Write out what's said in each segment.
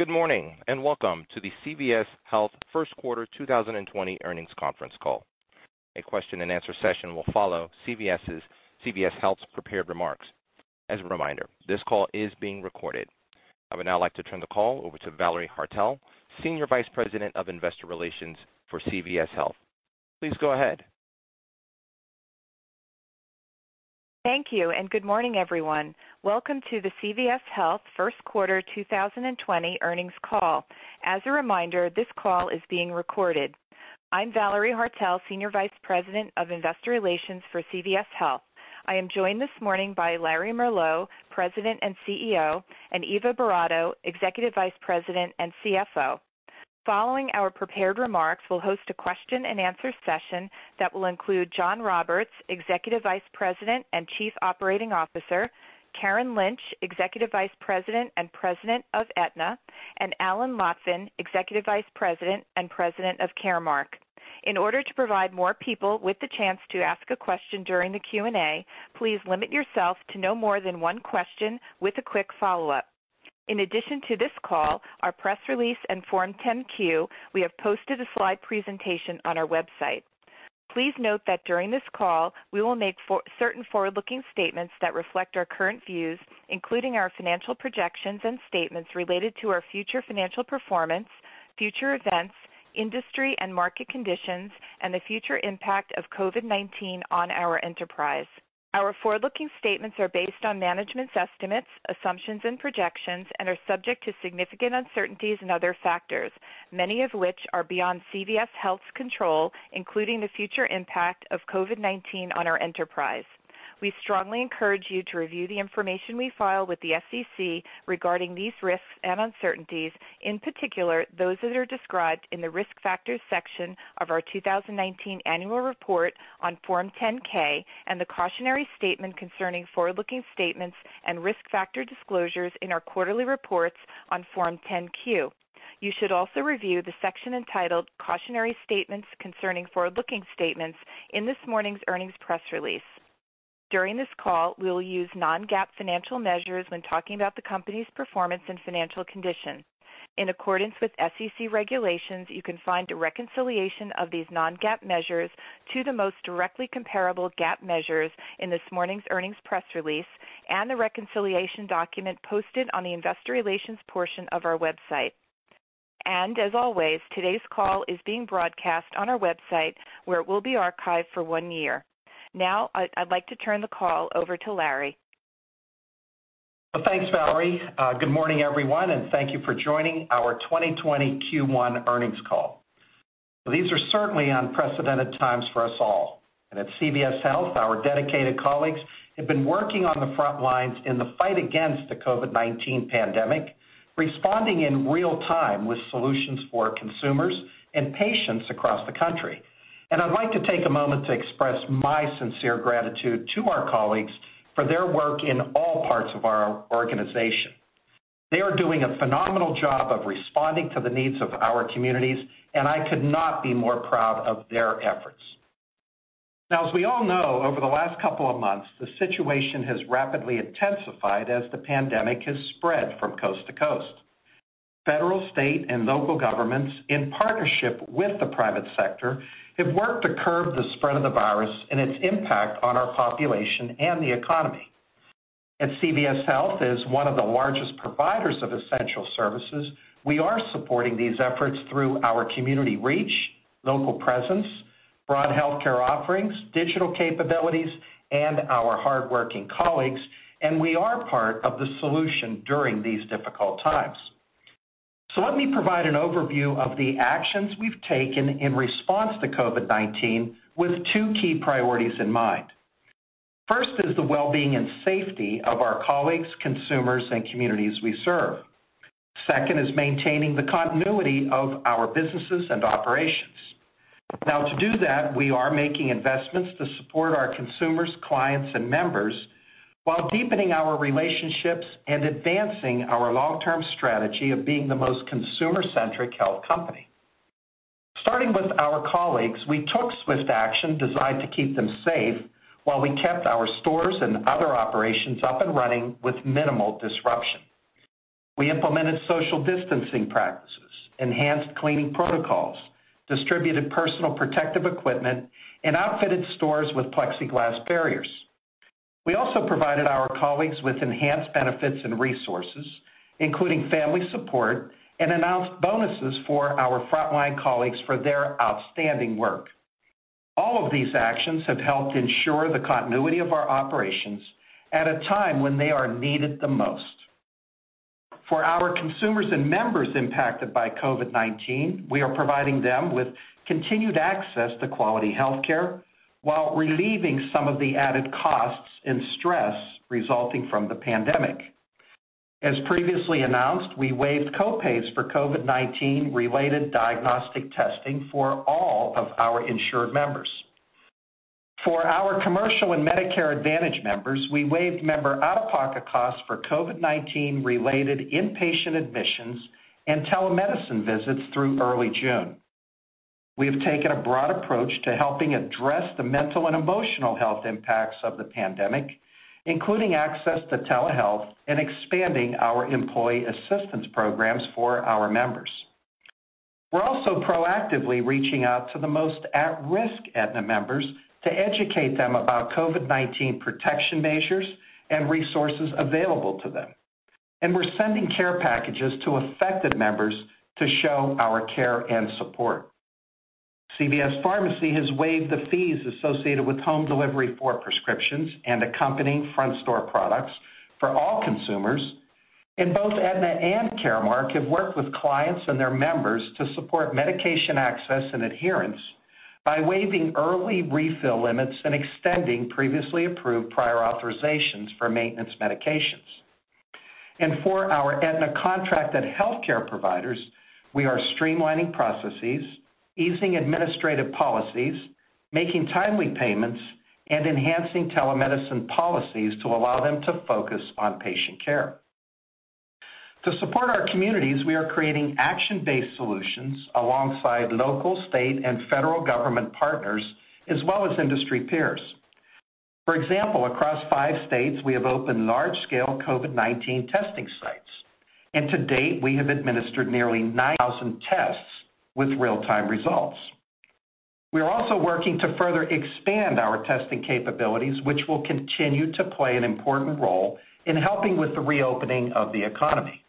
Good morning. Welcome to the CVS Health First Quarter 2020 Earnings Conference Call. A question and answer session will follow CVS Health's prepared remarks. As a reminder, this call is being recorded. I would now like to turn the call over to Valerie Haertel, Senior Vice President of Investor Relations for CVS Health. Please go ahead. Thank you, and good morning, everyone. Welcome to the CVS Health First Quarter 2020 Earnings Call. As a reminder, this call is being recorded. I'm Valerie Haertel, Senior Vice President of Investor Relations for CVS Health. I am joined this morning by Larry Merlo, President and CEO, and Eva Boratto, Executive Vice President and CFO. Following our prepared remarks, we'll host a question and answer session that will include Jonathan Roberts, Executive Vice President and Chief Operating Officer, Karen Lynch, Executive Vice President and President of Aetna, and Alan Lotvin, Executive Vice President and President of Caremark. In order to provide more people with the chance to ask a question during the Q&A, please limit yourself to no more than one question with a quick follow-up. In addition to this call, our press release, and Form 10-Q, we have posted a slide presentation on our website. Please note that during this call, we will make certain forward-looking statements that reflect our current views, including our financial projections and statements related to our future financial performance, future events, industry and market conditions, and the future impact of COVID-19 on our enterprise. Our forward-looking statements are based on management's estimates, assumptions and projections and are subject to significant uncertainties and other factors, many of which are beyond CVS Health's control, including the future impact of COVID-19 on our enterprise. We strongly encourage you to review the information we file with the SEC regarding these risks and uncertainties, in particular, those that are described in the Risk Factors section of our 2019 annual report on Form 10-K and the cautionary statement concerning forward-looking statements and risk factor disclosures in our quarterly reports on Form 10-Q. You should also review the section entitled Cautionary Statements Concerning Forward-Looking Statements in this morning's earnings press release. During this call, we will use non-GAAP financial measures when talking about the company's performance and financial condition. In accordance with SEC regulations, you can find a reconciliation of these non-GAAP measures to the most directly comparable GAAP measures in this morning's earnings press release and the reconciliation document posted on the investor relations portion of our website. As always, today's call is being broadcast on our website, where it will be archived for one year. Now, I'd like to turn the call over to Larry. Well, thanks, Valerie. Good morning, everyone, thank you for joining our 2020 Q1 earnings call. These are certainly unprecedented times for us all. At CVS Health, our dedicated colleagues have been working on the front lines in the fight against the COVID-19 pandemic, responding in real time with solutions for consumers and patients across the country. I'd like to take a moment to express my sincere gratitude to our colleagues for their work in all parts of our organization. They are doing a phenomenal job of responding to the needs of our communities, and I could not be more proud of their efforts. Now, as we all know, over the last couple of months, the situation has rapidly intensified as the pandemic has spread from coast to coast. Federal, state, and local governments, in partnership with the private sector, have worked to curb the spread of the virus and its impact on our population and the economy. At CVS Health, as one of the largest providers of essential services, we are supporting these efforts through our community reach, local presence, broad healthcare offerings, digital capabilities, and our hardworking colleagues, and we are part of the solution during these difficult times. Let me provide an overview of the actions we've taken in response to COVID-19 with two key priorities in mind. First is the well-being and safety of our colleagues, consumers, and communities we serve. Second is maintaining the continuity of our businesses and operations. To do that, we are making investments to support our consumers, clients, and members, while deepening our relationships and advancing our long-term strategy of being the most consumer-centric health company. Starting with our colleagues, we took swift action designed to keep them safe while we kept our stores and other operations up and running with minimal disruption. We implemented social distancing practices, enhanced cleaning protocols, distributed personal protective equipment, and outfitted stores with plexiglass barriers. We also provided our colleagues with enhanced benefits and resources, including family support, and announced bonuses for our frontline colleagues for their outstanding work. All of these actions have helped ensure the continuity of our operations at a time when they are needed the most. For our consumers and members impacted by COVID-19, we are providing them with continued access to quality healthcare while relieving some of the added costs and stress resulting from the pandemic. As previously announced, we waived co-pays for COVID-19 related diagnostic testing for all of our insured members. For our commercial and Medicare Advantage members, we waived member out-of-pocket costs for COVID-19 related inpatient admissions and telemedicine visits through early June. We have taken a broad approach to helping address the mental and emotional health impacts of the pandemic, including access to telehealth and expanding our employee assistance programs for our members. We're also proactively reaching out to the most at-risk Aetna members to educate them about COVID-19 protection measures and resources available to them, and we're sending care packages to affected members to show our care and support. CVS Pharmacy has waived the fees associated with home delivery for prescriptions and accompanying front-store products for all consumers, and both Aetna and Caremark have worked with clients and their members to support medication access and adherence by waiving early refill limits and extending previously approved prior authorizations for maintenance medications. For our Aetna contracted healthcare providers, we are streamlining processes, easing administrative policies, making timely payments, and enhancing telemedicine policies to allow them to focus on patient care. To support our communities, we are creating action-based solutions alongside local, state, and federal government partners, as well as industry peers. For example, across five states, we have opened large-scale COVID-19 testing sites. To date, we have administered nearly 9,000 tests with real-time results. We are also working to further expand our testing capabilities, which will continue to play an important role in helping with the reopening of the economy.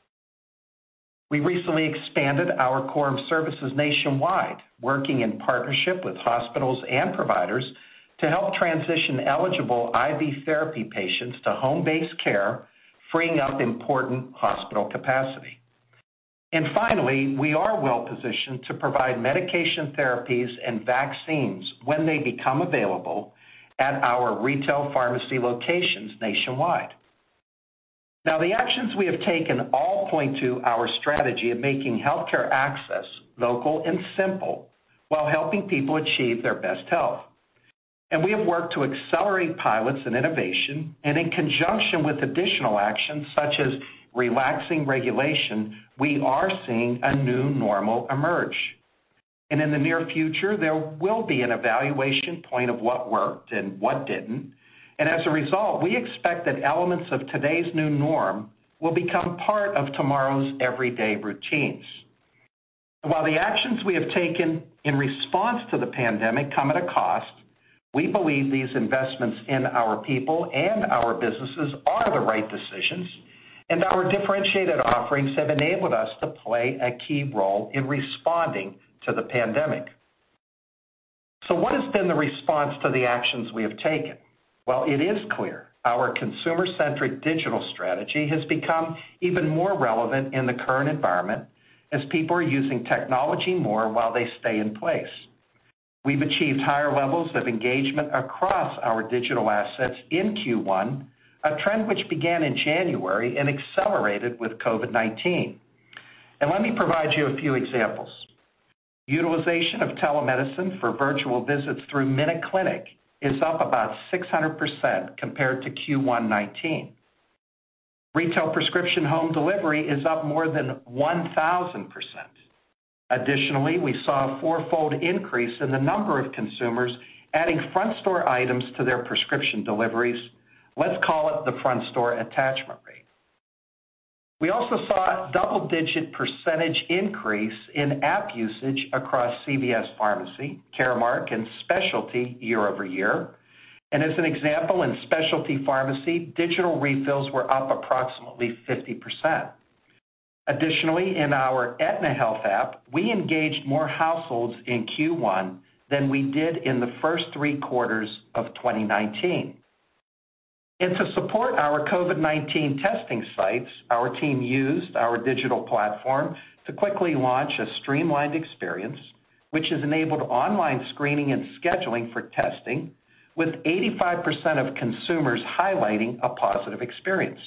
We recently expanded our Coram services nationwide, working in partnership with hospitals and providers to help transition eligible IV therapy patients to home-based care, freeing up important hospital capacity. Finally, we are well-positioned to provide medication therapies and vaccines when they become available at our retail pharmacy locations nationwide. The actions we have taken all point to our strategy of making healthcare access local and simple while helping people achieve their best health. We have worked to accelerate pilots and innovation, and in conjunction with additional actions such as relaxing regulation, we are seeing a new normal emerge. In the near future, there will be an evaluation point of what worked and what didn't, and as a result, we expect that elements of today's new norm will become part of tomorrow's everyday routines. While the actions we have taken in response to the pandemic come at a cost, we believe these investments in our people and our businesses are the right decisions and our differentiated offerings have enabled us to play a key role in responding to the pandemic. What has been the response to the actions we have taken? Well, it is clear our consumer-centric digital strategy has become even more relevant in the current environment as people are using technology more while they stay in place. We've achieved higher levels of engagement across our digital assets in Q1, a trend which began in January and accelerated with COVID-19. Let me provide you a few examples. Utilization of telemedicine for virtual visits through MinuteClinic is up about 600% compared to Q1 2019. Retail prescription home delivery is up more than 1,000%. Additionally, we saw a fourfold increase in the number of consumers adding front-store items to their prescription deliveries. Let's call it the front-store attachment rate. We also saw a double-digit percentage increase in app usage across CVS Pharmacy, Caremark, and Specialty year over year. As an example, in Specialty Pharmacy, digital refills were up approximately 50%. In our Aetna Health app, we engaged more households in Q1 than we did in the first three quarters of 2019. To support our COVID-19 testing sites, our team used our digital platform to quickly launch a streamlined experience, which has enabled online screening and scheduling for testing, with 85% of consumers highlighting a positive experience.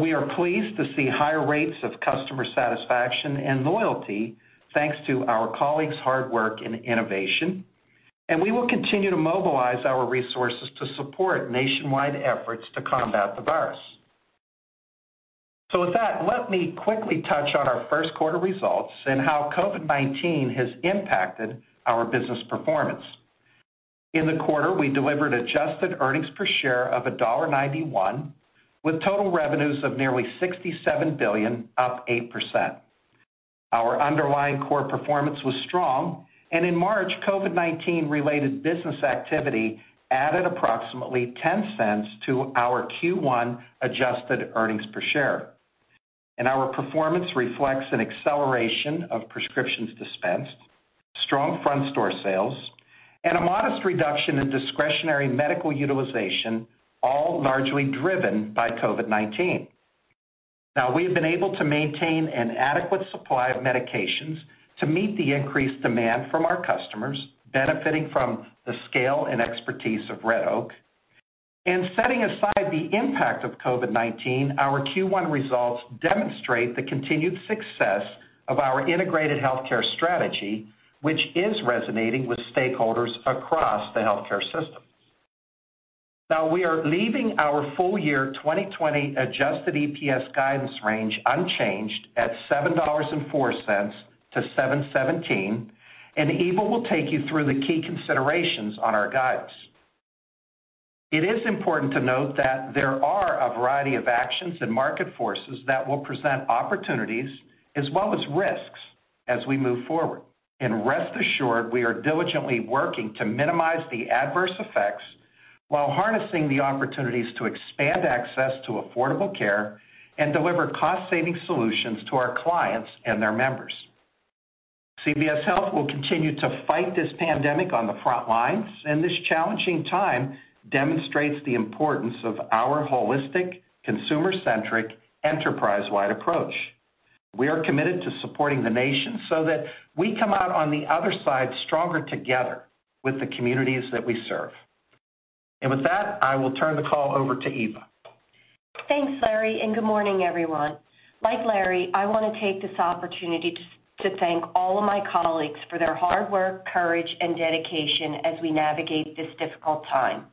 We are pleased to see higher rates of customer satisfaction and loyalty thanks to our colleagues' hard work and innovation, and we will continue to mobilize our resources to support nationwide efforts to combat the virus. With that, let me quickly touch on our first quarter results and how COVID-19 has impacted our business performance. In the quarter, we delivered adjusted earnings per share of $1.91, with total revenues of nearly $67 billion, up 8%. Our underlying core performance was strong. In March, COVID-19 related business activity added approximately $0.10 to our Q1 adjusted earnings per share. Our performance reflects an acceleration of prescriptions dispensed, strong front-store sales, and a modest reduction in discretionary medical utilization, all largely driven by COVID-19. Now, we have been able to maintain an adequate supply of medications to meet the increased demand from our customers, benefiting from the scale and expertise of Red Oak. Setting aside the impact of COVID-19, our Q1 results demonstrate the continued success of our integrated healthcare strategy, which is resonating with stakeholders across the healthcare system. Now, we are leaving our full year 2020 adjusted EPS guidance range unchanged at $7.04 to $7.17. Eva will take you through the key considerations on our guidance. It is important to note that there are a variety of actions and market forces that will present opportunities as well as risks as we move forward. Rest assured, we are diligently working to minimize the adverse effects while harnessing the opportunities to expand access to affordable care and deliver cost-saving solutions to our clients and their members. CVS Health will continue to fight this pandemic on the front lines. This challenging time demonstrates the importance of our holistic, consumer-centric, enterprise-wide approach. We are committed to supporting the nation so that we come out on the other side stronger together with the communities that we serve. With that, I will turn the call over to Eva. Thanks, Larry. Good morning, everyone. Like Larry, I want to take this opportunity to thank all of my colleagues for their hard work, courage, and dedication as we navigate this difficult time.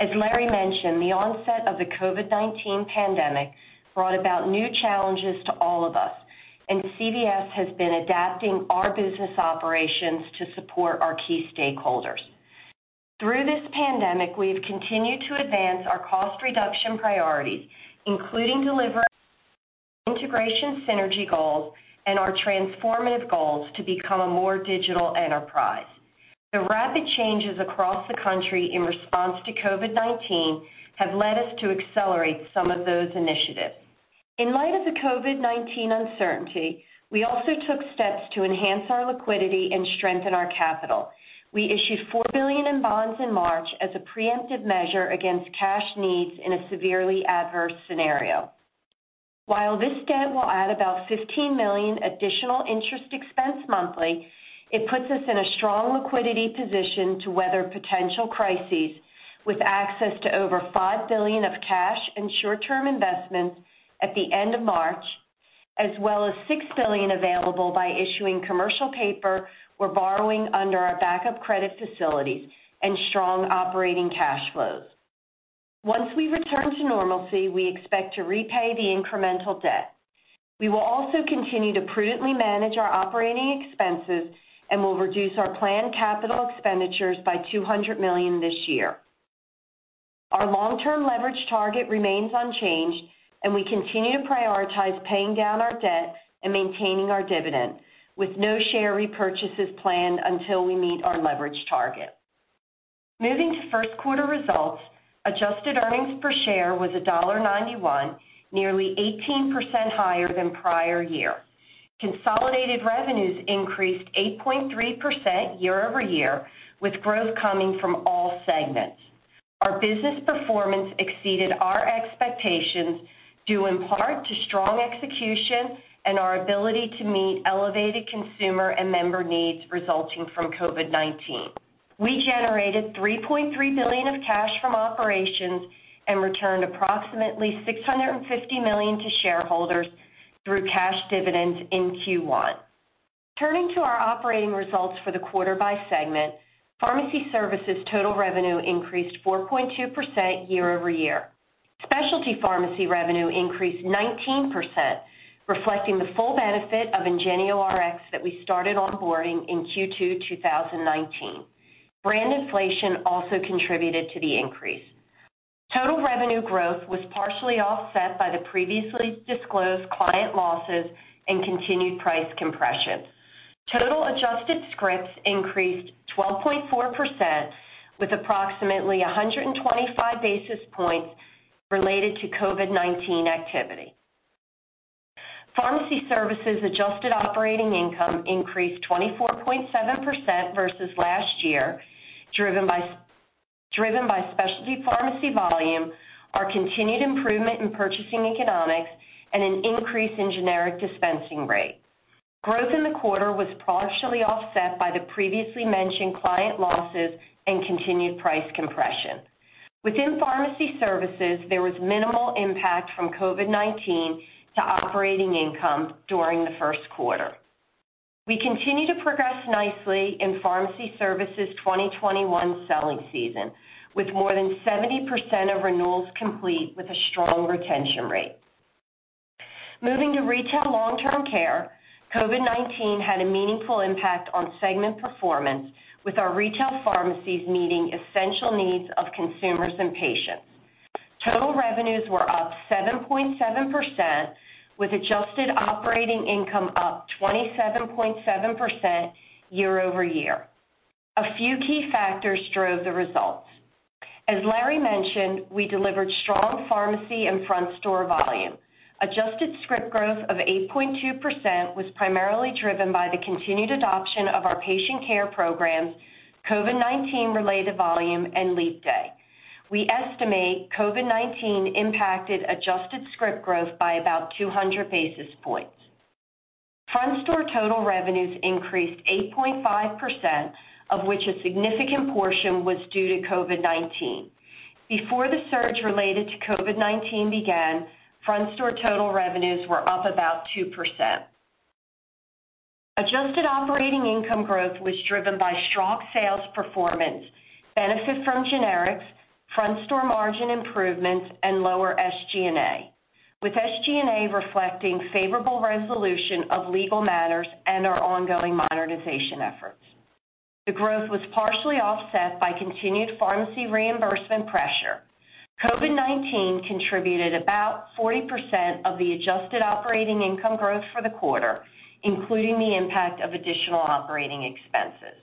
As Larry mentioned, the onset of the COVID-19 pandemic brought about new challenges to all of us, and CVS has been adapting our business operations to support our key stakeholders. Through this pandemic, we've continued to advance our cost reduction priorities, including delivering integration synergy goals and our transformative goals to become a more digital enterprise. The rapid changes across the country in response to COVID-19 have led us to accelerate some of those initiatives. In light of the COVID-19 uncertainty, we also took steps to enhance our liquidity and strengthen our capital. We issued $4 billion in bonds in March as a preemptive measure against cash needs in a severely adverse scenario. While this debt will add about $15 million additional interest expense monthly, it puts us in a strong liquidity position to weather potential crises with access to over $5 billion of cash and short-term investments at the end of March, as well as $6 billion available by issuing commercial paper or borrowing under our backup credit facilities and strong operating cash flows. Once we return to normalcy, we expect to repay the incremental debt. We will also continue to prudently manage our operating expenses and will reduce our planned capital expenditures by $200 million this year. Our long-term leverage target remains unchanged. We continue to prioritize paying down our debt and maintaining our dividend, with no share repurchases planned until we meet our leverage target. Moving to first quarter results, adjusted earnings per share was $1.91, nearly 18% higher than prior year. Consolidated revenues increased 8.3% year-over-year, with growth coming from all segments. Our business performance exceeded our expectations due in part to strong execution and our ability to meet elevated consumer and member needs resulting from COVID-19. We generated $3.3 billion of cash from operations and returned approximately $650 million to shareholders through cash dividends in Q1. Turning to our operating results for the quarter by segment, Pharmacy Services total revenue increased 4.2% year-over-year. Specialty Pharmacy revenue increased 19%, reflecting the full benefit of IngenioRx that we started onboarding in Q2 2019. Brand inflation also contributed to the increase. Total revenue growth was partially offset by the previously disclosed client losses and continued price compression. Total adjusted scripts increased 12.4%, with approximately 125 basis points related to COVID-19 activity. Pharmacy Services adjusted operating income increased 24.7% versus last year, driven by Specialty Pharmacy volume, our continued improvement in purchasing economics, and an increase in generic dispensing rate. Growth in the quarter was partially offset by the previously mentioned client losses and continued price compression. Within Pharmacy Services, there was minimal impact from COVID-19 to operating income during the first quarter. We continue to progress nicely in Pharmacy Services' 2021 selling season, with more than 70% of renewals complete with a strong retention rate. Moving to Retail Long-Term Care, COVID-19 had a meaningful impact on segment performance, with our retail pharmacies meeting essential needs of consumers and patients. Total revenues were up 7.7%, with adjusted operating income up 27.7% year-over-year. A few key factors drove the results. As Larry mentioned, we delivered strong pharmacy and front store volume. Adjusted script growth of 8.2% was primarily driven by the continued adoption of our patient care programs, COVID-19 related volume, and Leap Day. We estimate COVID-19 impacted adjusted script growth by about 200 basis points. Front store total revenues increased 8.5%, of which a significant portion was due to COVID-19. Before the surge related to COVID-19 began, front store total revenues were up about 2%. Adjusted operating income growth was driven by strong sales performance, benefit from generics, front store margin improvements, and lower SG&A, with SG&A reflecting favorable resolution of legal matters and our ongoing modernization efforts. The growth was partially offset by continued pharmacy reimbursement pressure. COVID-19 contributed about 40% of the adjusted operating income growth for the quarter, including the impact of additional operating expenses.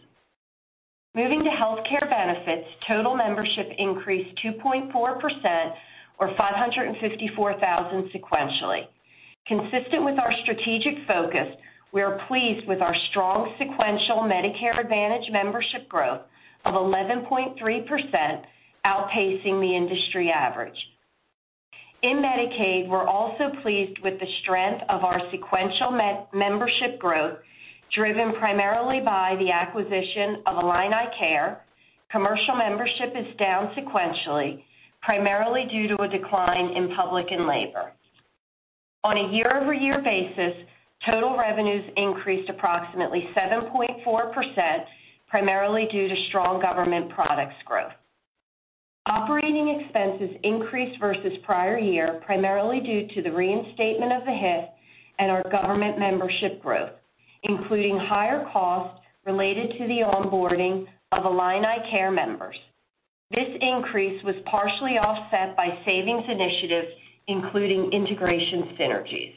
Moving to healthcare benefits, total membership increased 2.4%, or 554,000 sequentially. Consistent with our strategic focus, we are pleased with our strong sequential Medicare Advantage membership growth of 11.3%, outpacing the industry average. In Medicaid, we're also pleased with the strength of our sequential membership growth, driven primarily by the acquisition of IlliniCare. Commercial membership is down sequentially, primarily due to a decline in public and labor. On a year-over-year basis, total revenues increased approximately 7.4%, primarily due to strong government products growth. Operating expenses increased versus prior year, primarily due to the reinstatement of the HIF and our government membership growth, including higher costs related to the onboarding of IlliniCare members. This increase was partially offset by savings initiatives, including integration synergies.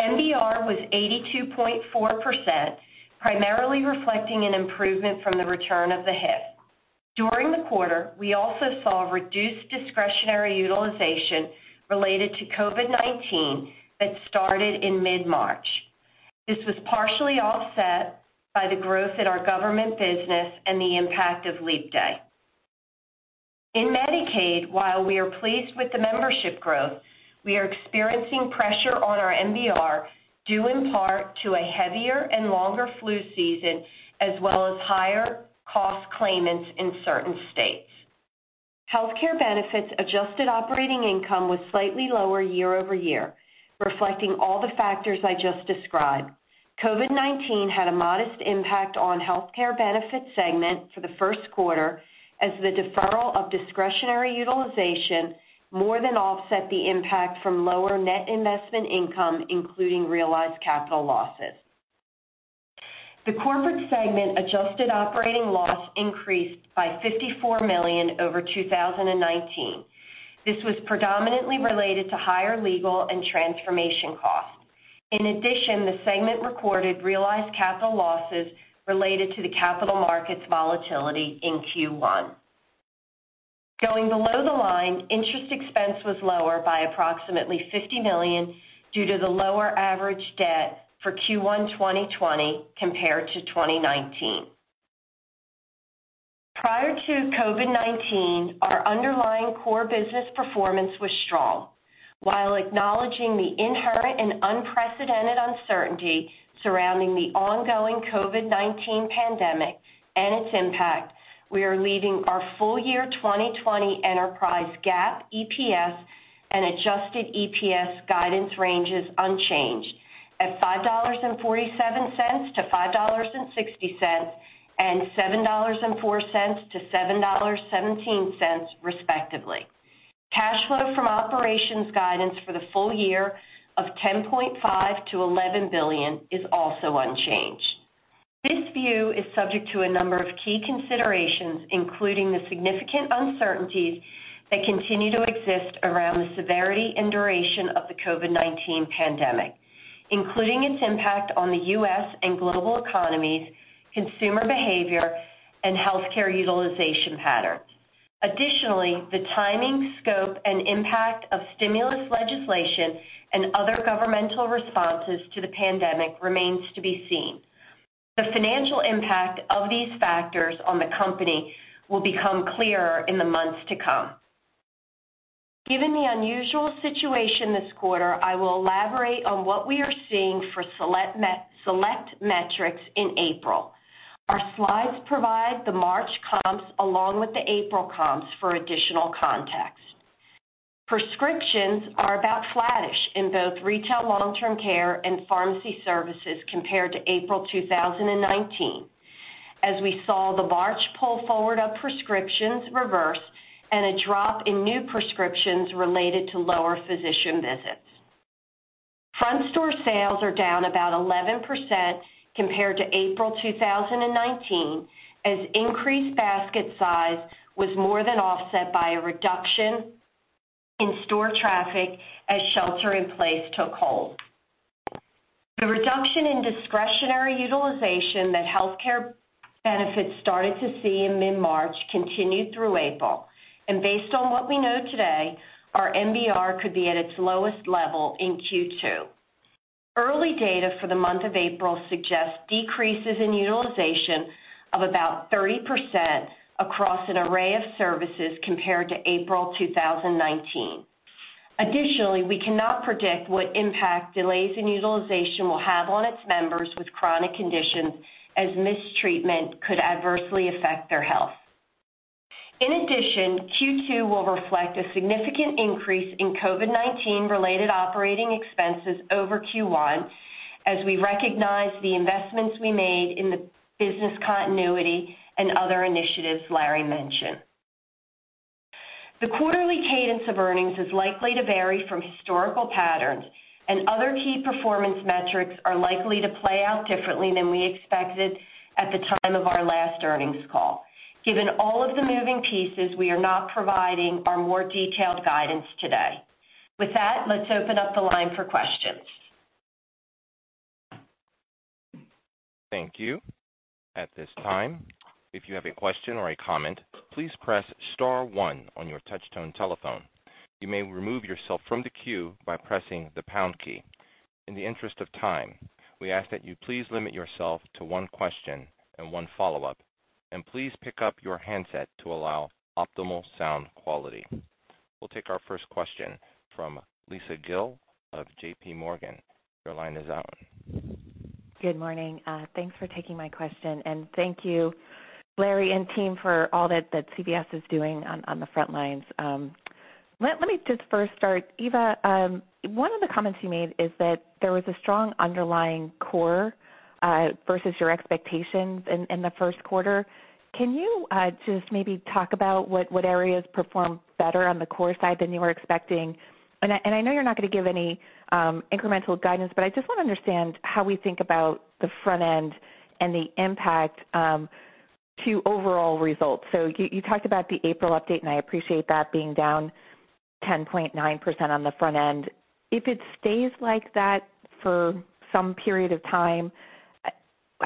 MBR was 82.4%, primarily reflecting an improvement from the return of the HIF. During the quarter, we also saw reduced discretionary utilization related to COVID-19 that started in mid-March. This was partially offset by the growth in our government business and the impact of Leap Day. In Medicaid, while we are pleased with the membership growth, we are experiencing pressure on our MBR due in part to a heavier and longer flu season, as well as higher cost claimants in certain states. Healthcare benefits adjusted operating income was slightly lower year-over-year, reflecting all the factors I just described. COVID-19 had a modest impact on the healthcare benefits segment for the first quarter as the deferral of discretionary utilization more than offset the impact from lower net investment income, including realized capital losses. The corporate segment adjusted operating loss increased by $54 million over 2019. This was predominantly related to higher legal and transformation costs. In addition, the segment recorded realized capital losses related to the capital markets volatility in Q1. Going below the line, interest expense was lower by approximately $50 million due to the lower average debt for Q1 2020 compared to 2019. Prior to COVID-19, our underlying core business performance was strong. While acknowledging the inherent and unprecedented uncertainty surrounding the ongoing COVID-19 pandemic and its impact, we are leaving our full year 2020 enterprise GAAP EPS and adjusted EPS guidance ranges unchanged at $5.47 to $5.60 and $7.04 to $7.17, respectively. Cash flow from operations guidance for the full year of $10.5 billion-$11 billion is also unchanged. This view is subject to a number of key considerations, including the significant uncertainties that continue to exist around the severity and duration of the COVID-19 pandemic, including its impact on the U.S. and global economies, consumer behavior, and healthcare utilization patterns. Additionally, the timing, scope, and impact of stimulus legislation and other governmental responses to the pandemic remains to be seen. The financial impact of these factors on the company will become clearer in the months to come. Given the unusual situation this quarter, I will elaborate on what we are seeing for select metrics in April. Our slides provide the March comps along with the April comps for additional context. Prescriptions are about flattish in both Retail Long-Term Care and Pharmacy Services compared to April 2019, as we saw the March pull forward of prescriptions reverse and a drop in new prescriptions related to lower physician visits. Front store sales are down about 11% compared to April 2019, as increased basket size was more than offset by a reduction in store traffic as shelter in place took hold. The reduction in discretionary utilization that healthcare benefits started to see in mid-March continued through April. Based on what we know today, our MBR could be at its lowest level in Q2. Early data for the month of April suggests decreases in utilization of about 30% across an array of services compared to April 2019. We cannot predict what impact delays in utilization will have on its members with chronic conditions, as missed treatment could adversely affect their health. Q2 will reflect a significant increase in COVID-19 related operating expenses over Q1 as we recognize the investments we made in the business continuity and other initiatives Larry mentioned. The quarterly cadence of earnings is likely to vary from historical patterns, and other key performance metrics are likely to play out differently than we expected at the time of our last earnings call. Given all of the moving pieces, we are not providing our more detailed guidance today. With that, let's open up the line for questions. Thank you. At this time, if you have a question or a comment, please press star one on your touchtone telephone. You may remove yourself from the queue by pressing the pound key. In the interest of time, we ask that you please limit yourself to one question and one follow-up, and please pick up your handset to allow optimal sound quality. We'll take our first question from Lisa Gill of JPMorgan. Your line is open. Good morning. Thanks for taking my question, thank you, Larry and team, for all that CVS is doing on the front lines. Let me just first start. Eva, one of the comments you made is that there was a strong underlying core versus your expectations in the first quarter. Can you just maybe talk about what areas performed better on the core side than you were expecting? I know you're not going to give any incremental guidance, but I just want to understand how we think about the front end and the impact to overall results. You talked about the April update, and I appreciate that being down 10.9% on the front end. If it stays like that for some period of time,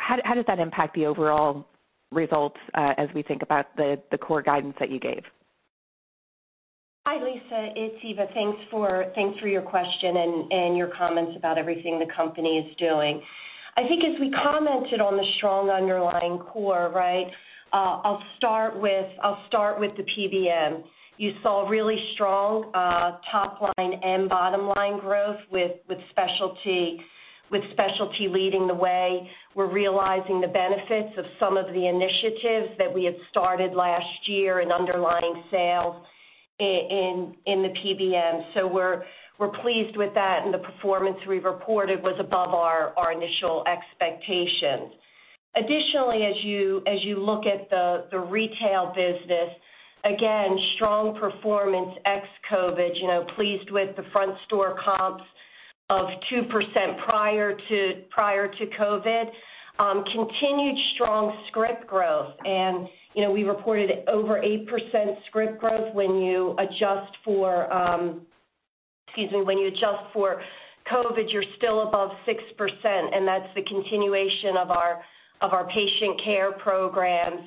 how does that impact the overall results as we think about the core guidance that you gave? Hi, Lisa. It's Eva. Thanks for your question and your comments about everything the company is doing. I think as we commented on the strong underlying core, right? I'll start with the PBM. You saw really strong top line and bottom line growth with specialty leading the way. We're realizing the benefits of some of the initiatives that we had started last year in underlying sales in the PBM. We're pleased with that, and the performance we reported was above our initial expectations. Additionally, as you look at the retail business, again, strong performance ex-COVID-19. Pleased with the front store comps of 2% prior to COVID-19. Continued strong script growth, and we reported over 8% script growth. When you adjust for COVID-19, you're still above 6%, and that's the continuation of our patient care programs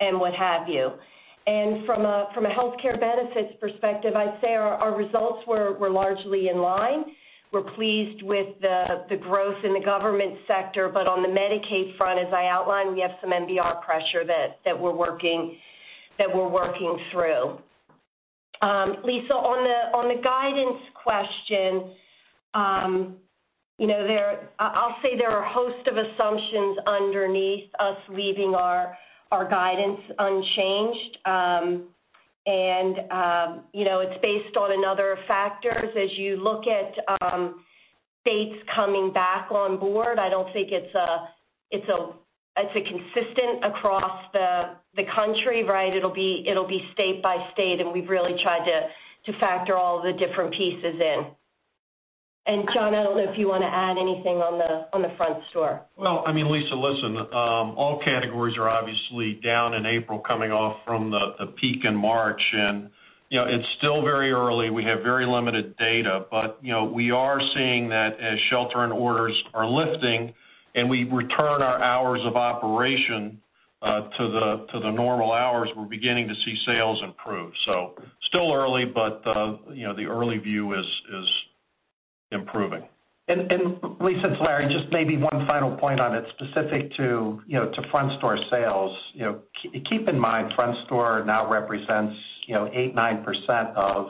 and what have you. From a healthcare benefits perspective, I'd say our results were largely in line. We're pleased with the growth in the government sector. On the Medicaid front, as I outlined, we have some MBR pressure that we're working through. Lisa, on the guidance question, I'll say there are a host of assumptions underneath us leaving our guidance unchanged. It's based on other factors. As you look at states coming back on board, I don't think it's consistent across the country, right? It'll be state by state, and we've really tried to factor all the different pieces in. John, I don't know if you want to add anything on the front store. Lisa, listen. All categories are obviously down in April, coming off from the peak in March. It's still very early. We have very limited data. We are seeing that as shelter in orders are lifting, we return our hours of operation to the normal hours, we're beginning to see sales improve. Still early. The early view is improving. Lisa Gill, it's Larry Merlo. Just maybe one final point on it specific to front store sales. Keep in mind, front store now represents 8%, 9% of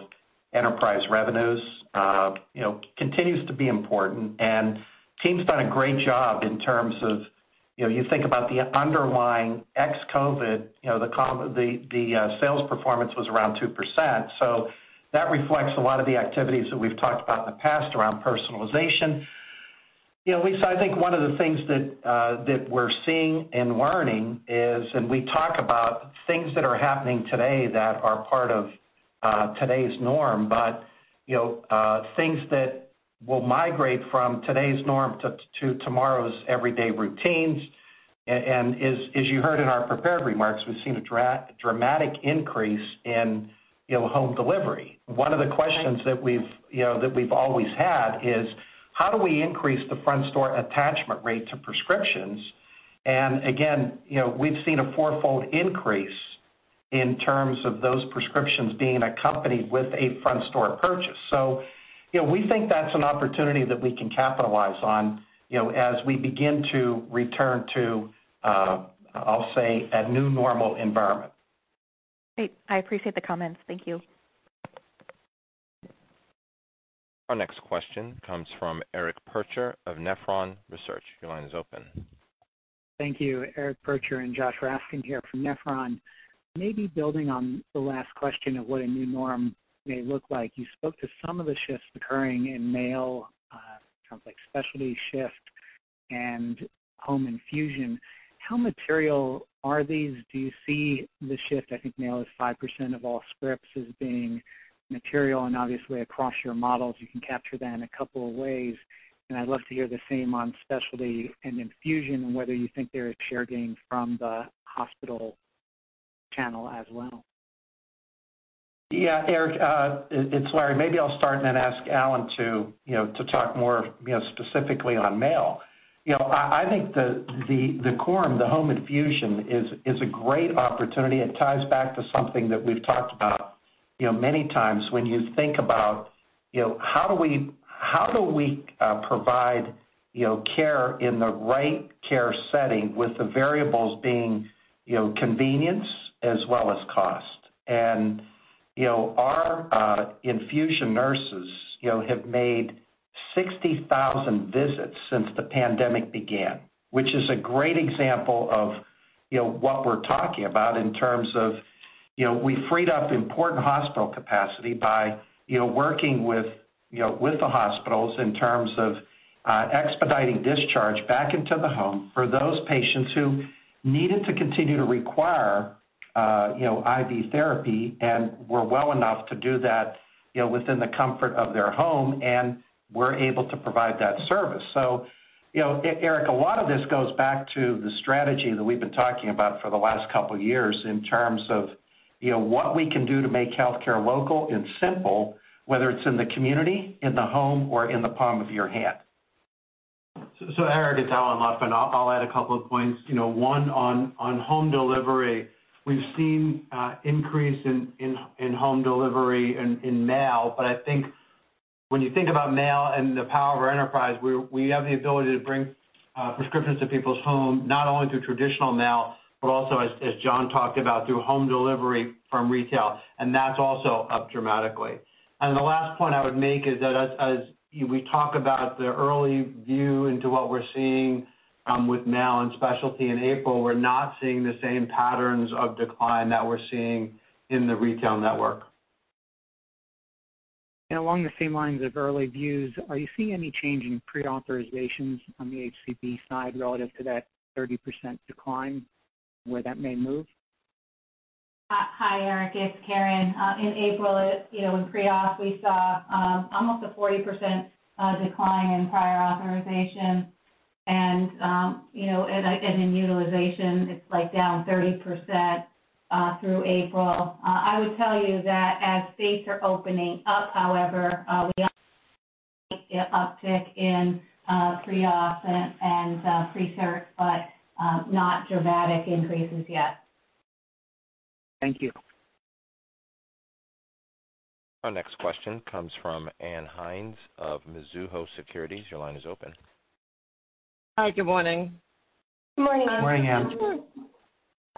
enterprise revenues. Team's done a great job in terms of, you think about the underlying ex-COVID-19, the sales performance was around 2%. That reflects a lot of the activities that we've talked about in the past around personalization. Lisa Gill, I think one of the things that we're seeing and learning is, and we talk about things that are happening today that are part of today's norm, but things that will migrate from today's norm to tomorrow's everyday routines. As you heard in our prepared remarks, we've seen a dramatic increase in home delivery. One of the questions that we've always had is: How do we increase the front store attachment rate to prescriptions? Again, we've seen a fourfold increase in terms of those prescriptions being accompanied with a front store purchase. We think that's an opportunity that we can capitalize on as we begin to return to, I'll say, a new normal environment. Great. I appreciate the comments. Thank you. Our next question comes from Eric Percher of Nephron Research. Your line is open. Thank you. Eric Percher and Josh Raskin here from Nephron. Maybe building on the last question of what a new norm may look like, you spoke to some of the shifts occurring in mail, complex Specialty Pharmacy shift, and home infusion. How material are these? Do you see the shift, I think mail is 5% of all scripts, as being material? Obviously across your models you can capture that in a couple of ways. I'd love to hear the same on specialty and infusion, and whether you think there is share gain from the hospital channel as well. Yeah, Eric, it's Larry. Maybe I'll start and then ask Alan to talk more specifically on mail. I think the Coram, the home infusion is a great opportunity. It ties back to something that we've talked about many times. When you think about how do we provide care in the right care setting with the variables being convenience as well as cost. Our infusion nurses have made 60,000 visits since the pandemic began, which is a great example of what we're talking about in terms of, we freed up important hospital capacity by working with the hospitals in terms of expediting discharge back into the home for those patients who needed to continue to require IV therapy and were well enough to do that within the comfort of their home, and we're able to provide that service. Eric, a lot of this goes back to the strategy that we've been talking about for the last couple of years in terms of what we can do to make healthcare local and simple, whether it's in the community, in the home, or in the palm of your hand. Eric, it's Alan Lotvin. I'll add a couple of points. One, on home delivery, we've seen increase in home delivery in mail, but I think when you think about mail and the power of our enterprise, we have the ability to bring prescriptions to people's home, not only through traditional mail, but also, as Jonathan talked about, through home delivery from retail. That's also up dramatically. The last point I would make is that as we talk about the early view into what we're seeing with mail and specialty in April, we're not seeing the same patterns of decline that we're seeing in the retail network. Along the same lines of early views, are you seeing any change in pre-authorizations on the HCP side relative to that 30% decline, where that may move? Hi, Eric, it's Karen. In April, in pre-auth, we saw almost a 40% decline in prior authorization. In utilization, it's down 30% through April. I would tell you that as states are opening up, however, we are seeing an uptick in pre-auth and pre-cert, but not dramatic increases yet. Thank you. Our next question comes from Ann Hynes of Mizuho Securities. Your line is open. Hi, good morning. Good morning, Ann. Morning,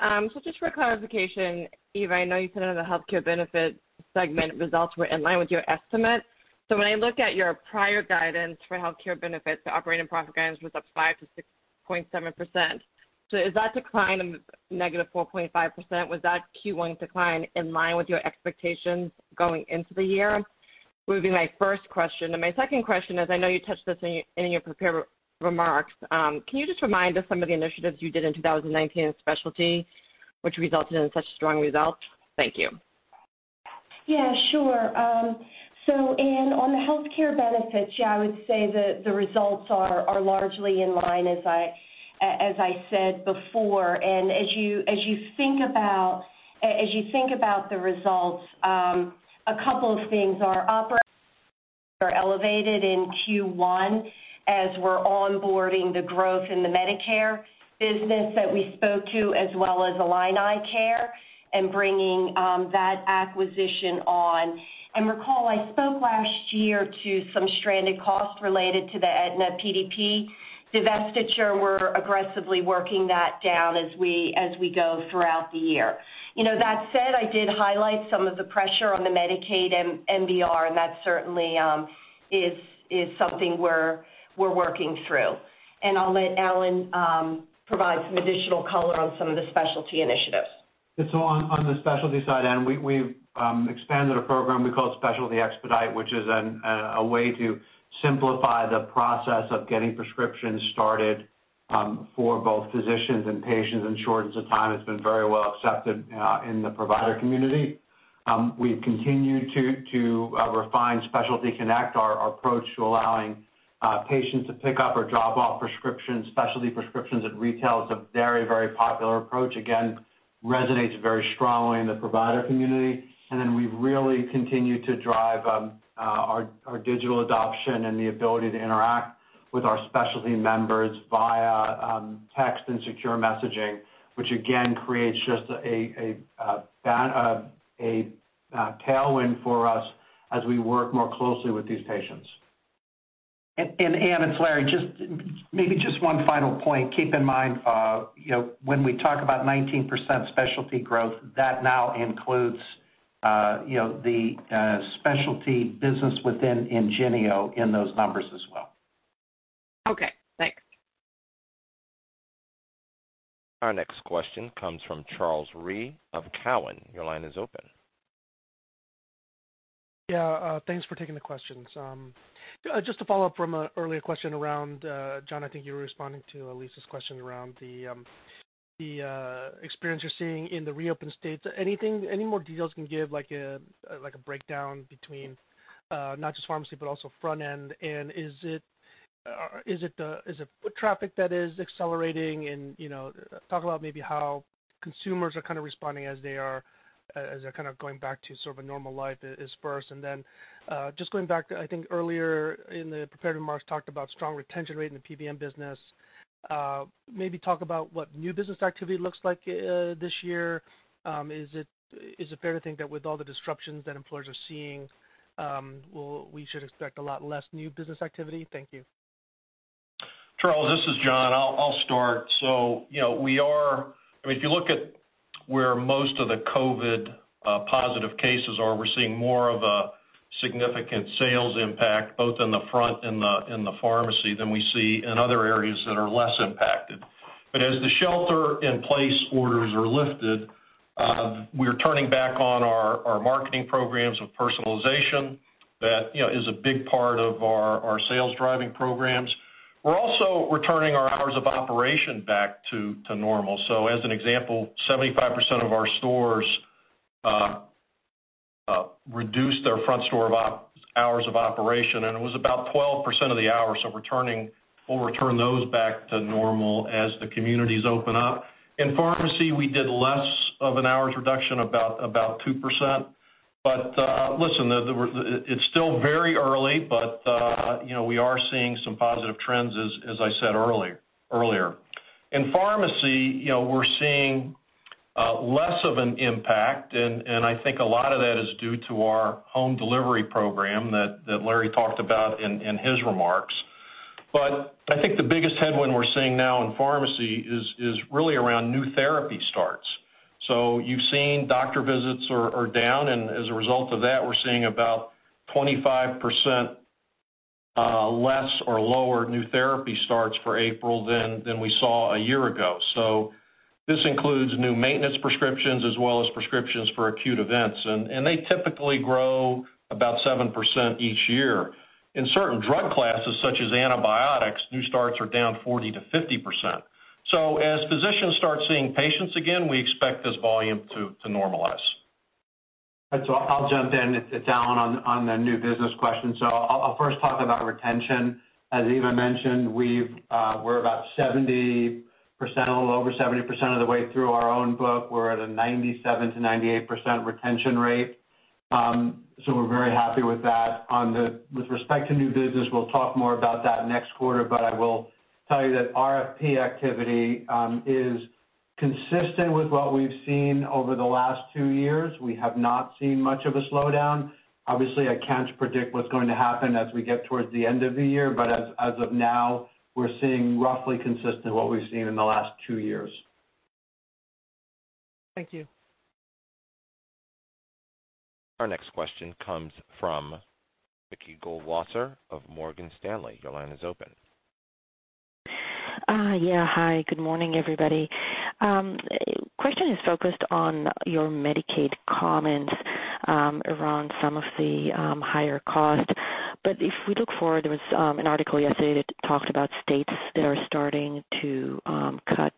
Ann. Just for clarification, Eva, I know you said that the Healthcare Benefits segment results were in line with your estimate. When I look at your prior guidance for Healthcare Benefits, the operating profit guidance was up 5% to 6.7%. Is that decline of -4.5%, was that Q1 2020 decline in line with your expectations going into the year? Would be my first question, and my second question is, I know you touched this in your prepared remarks. Can you just remind us some of the initiatives you did in 2019 in Specialty Pharmacy, which resulted in such strong results? Thank you. Yeah, sure. Ann, on the healthcare benefits, yeah, I would say the results are largely in line, as I said before, and as you think about the results, a couple of things. Our operating are elevated in Q1 as we're onboarding the growth in the Medicare business that we spoke to, as well as IlliniCare and bringing that acquisition on. Recall, I spoke last year to some stranded costs related to the Aetna PDP divestiture. We're aggressively working that down as we go throughout the year. That said, I did highlight some of the pressure on the Medicaid MBR. That certainly is something we're working through. I'll let Alan provide some additional color on some of the specialty initiatives. On the specialty side, Ann, we've expanded a program we call Specialty Expedite, which is a way to simplify the process of getting prescriptions started for both physicians and patients in short as a time. It's been very well accepted in the provider community. We've continued to refine Specialty Connect, our approach to allowing patients to pick up or drop off prescriptions, specialty prescriptions at retail is a very, very popular approach. Again, resonates very strongly in the provider community. We've really continued to drive our digital adoption and the ability to interact with our specialty members via text and secure messaging, which again creates just a tailwind for us as we work more closely with these patients. Ann, it's Larry. Maybe just one final point. Keep in mind, when we talk about 19% Specialty growth, that now includes the Specialty business within Ingenio in those numbers as well. Okay, thanks. Our next question comes from Charles Rhyee of Cowen. Your line is open. Yeah. Thanks for taking the questions. Just to follow up from an earlier question around, John, I think you were responding to Lisa's question around the experience you're seeing in the reopened states. Any more details you can give, like a breakdown between not just pharmacy, but also front end? Is it foot traffic that is accelerating? Talk about maybe how consumers are responding as they are going back to sort of a normal life as first. Just going back, I think earlier in the prepared remarks, talked about strong retention rate in the PBM business. Maybe talk about what new business activity looks like this year. Is it fair to think that with all the disruptions that employers are seeing, we should expect a lot less new business activity? Thank you. Charles, this is John. I'll start. If you look at where most of the COVID positive cases are, we're seeing more of a significant sales impact, both in the front and the pharmacy than we see in other areas that are less impacted. As the shelter-in-place orders are lifted, we're turning back on our marketing programs of personalization. That is a big part of our sales-driving programs. We're also returning our hours of operation back to normal. As an example, 75% of our stores reduced their front store hours of operation, and it was about 12% of the hours of reduction. We'll return those back to normal as the communities open up. In pharmacy, we did less of an hours reduction, about 2%. Listen, it's still very early, but we are seeing some positive trends, as I said earlier. In pharmacy, we're seeing less of an impact, and I think a lot of that is due to our home delivery program that Larry talked about in his remarks. I think the biggest headwind we're seeing now in pharmacy is really around new therapy starts. You've seen doctor visits are down, and as a result of that, we're seeing about 25% less or lower new therapy starts for April than we saw a year ago. This includes new maintenance prescriptions as well as prescriptions for acute events, and they typically grow about 7% each year. In certain drug classes, such as antibiotics, new starts are down 40%-50%. As physicians start seeing patients again, we expect this volume to normalize. I'll jump in, Alan, on the new business question. I'll first talk about retention. As Eva mentioned, we're about 70%, a little over 70% of the way through our own book. We're at a 97%-98% retention rate, so we're very happy with that. With respect to new business, we'll talk more about that next quarter, but I will tell you that RFP activity is consistent with what we've seen over the last two years. We have not seen much of a slowdown. Obviously, I can't predict what's going to happen as we get towards the end of the year, but as of now, we're seeing roughly consistent what we've seen in the last two years. Thank you. Our next question comes from Ricky Goldwasser of Morgan Stanley. Your line is open. Hi, good morning, everybody. Question is focused on your Medicaid comments around some of the higher cost. If we look forward, there was an article yesterday that talked about states that are starting to cut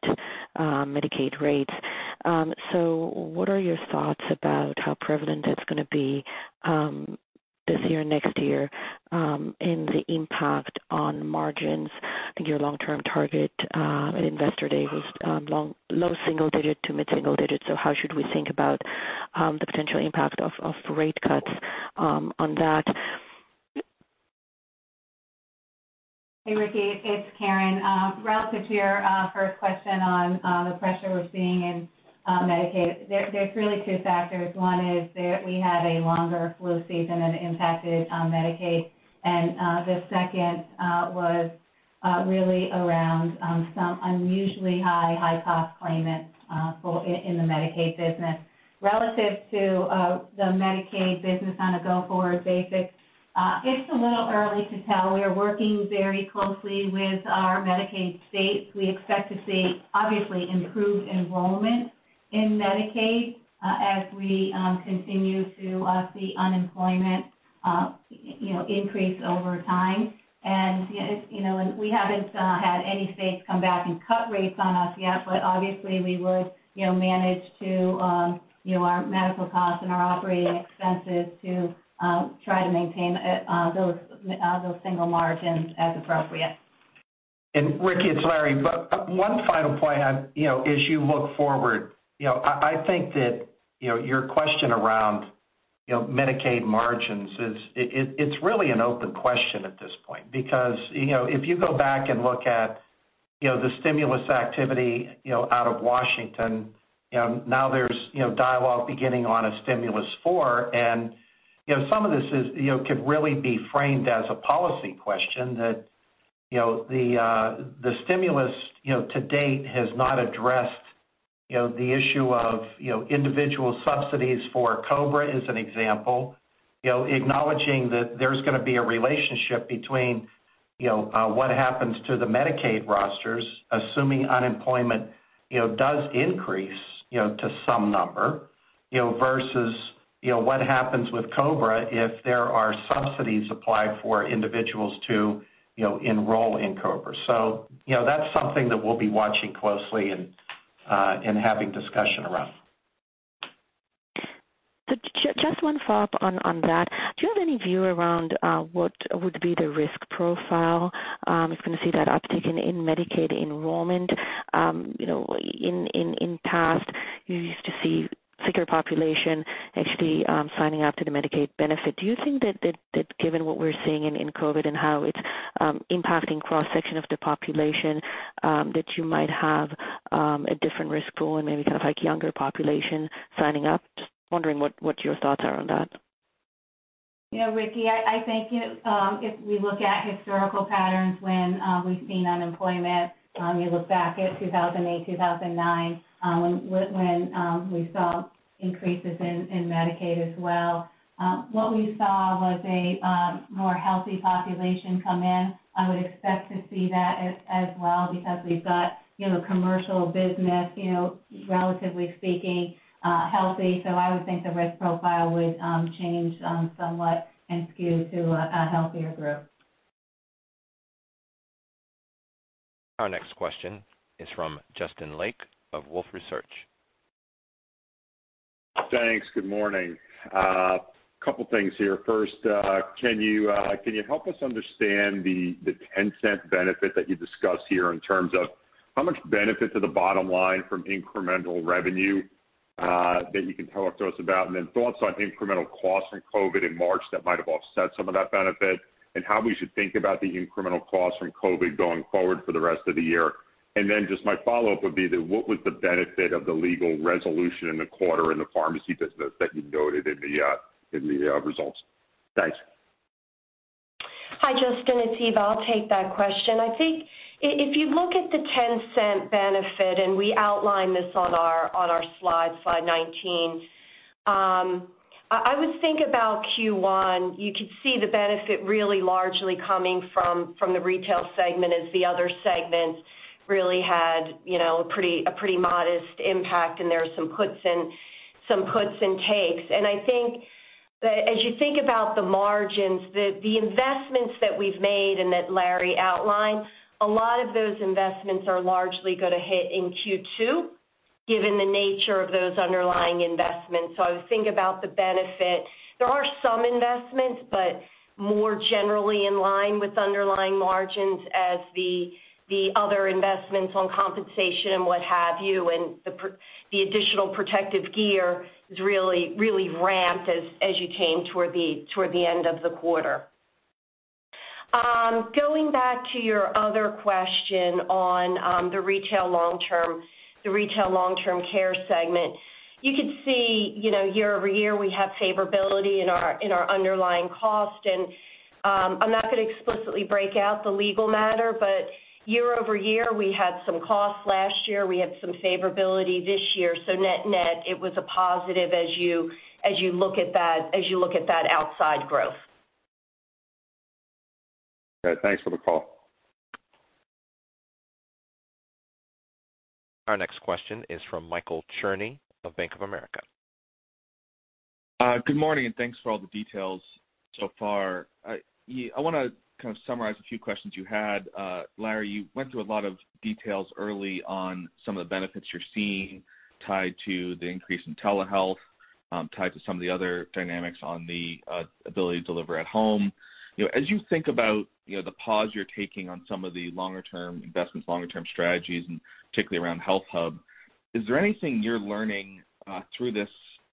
Medicaid rates. What are your thoughts about how prevalent that's going to be this year, next year, and the impact on margins? I think your long-term target at Investor Day was low single-digit to mid-single-digit. How should we think about the potential impact of rate cuts on that? Hey, Ricky, it's Karen. Relative to your first question on the pressure we're seeing in Medicaid, there's really two factors. One is that we had a longer flu season that impacted Medicaid, and the second was really around some unusually high, high-cost claimants in the Medicaid business. Relative to the Medicaid business on a go-forward basis, it's a little early to tell. We are working very closely with our Medicaid states. We expect to see, obviously, improved enrollment in Medicaid as we continue to see unemployment increase over time. We haven't had any states come back and cut rates on us yet, but obviously we would manage our medical costs and our operating expenses to try to maintain those single margins as appropriate. Ricky, it's Larry. One final point, as you look forward, I think that your question around Medicaid margins, it's really an open question at this point. If you go back and look at the stimulus activity out of Washington, now there's dialogue beginning on a stimulus four, and some of this could really be framed as a policy question that the stimulus to date has not addressed the issue of individual subsidies for COBRA, as an example. Acknowledging that there's going to be a relationship between what happens to the Medicaid rosters, assuming unemployment does increase to some number, versus what happens with COBRA if there are subsidies applied for individuals to enroll in COBRA. That's something that we'll be watching closely and having discussion around. Just one follow-up on that. Do you have any view around what would be the risk profile if you're going to see that uptick in Medicaid enrollment? In past, you used to see sicker population actually signing up to the Medicaid benefit. Do you think that given what we're seeing in COVID and how it's impacting cross-section of the population, that you might have a different risk pool and maybe kind of like younger population signing up? Just wondering what your thoughts are on that. Ricky, I think if we look at historical patterns when we've seen unemployment, you look back at 2008, 2009, when we saw increases in Medicaid as well. What we saw was a more healthy population come in. I would expect to see that as well because we've got commercial business, relatively speaking, healthy. I would think the risk profile would change somewhat and skew to a healthier group. Our next question is from Justin Lake of Wolfe Research. Thanks. Good morning. Couple things here. First, can you help us understand the $0.10 benefit that you discuss here in terms of how much benefit to the bottom line from incremental revenue that you can talk to us about? Thoughts on incremental costs from COVID in March that might have offset some of that benefit, and how we should think about the incremental costs from COVID going forward for the rest of the year. Just my follow-up would be that what was the benefit of the legal resolution in the quarter in the pharmacy business that you noted in the results? Thanks. Hi, Justin. It's Eva. I'll take that question. I think if you look at the $0.10 benefit, we outline this on our slide 19, I would think about Q1. You could see the benefit really largely coming from the Retail segment as the other segments really had a pretty modest impact. There are some puts and takes. I think that as you think about the margins, the investments that we've made and that Larry outlined, a lot of those investments are largely going to hit in Q2, given the nature of those underlying investments. I would think about the benefit. There are some investments, but more generally in line with underlying margins as the other investments on compensation and what have you, and the additional protective gear has really ramped as you came toward the end of the quarter. Going back to your other question on the Retail Long-Term Care segment, you could see year-over-year, we have favorability in our underlying cost. I'm not going to explicitly break out the legal matter. Year-over-year, we had some costs last year. We had some favorability this year. Net-net, it was a positive as you look at that outside growth. Okay. Thanks for the call. Our next question is from Michael Cherny of Bank of America. Good morning. Thanks for all the details so far. I want to kind of summarize a few questions you had. Larry, you went through a lot of details early on some of the benefits you're seeing tied to the increase in telehealth, tied to some of the other dynamics on the ability to deliver at home. As you think about the pause you're taking on some of the longer-term investments, longer-term strategies, and particularly around HealthHUB, is there anything you're learning through this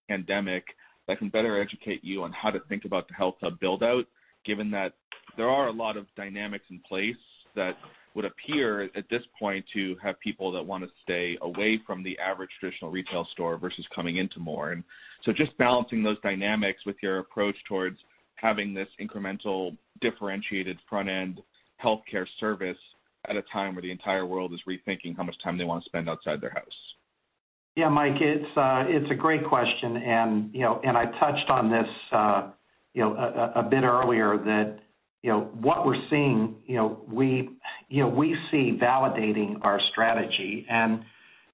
pandemic that can better educate you on how to think about the HealthHUB build-out, given that there are a lot of dynamics in place that would appear at this point to have people that want to stay away from the average traditional retail store versus coming into more? Just balancing those dynamics with your approach towards having this incremental differentiated front-end healthcare service at a time where the entire world is rethinking how much time they want to spend outside their house. Yeah, Michael, it's a great question. I touched on this a bit earlier, that what we're seeing, we see validating our strategy.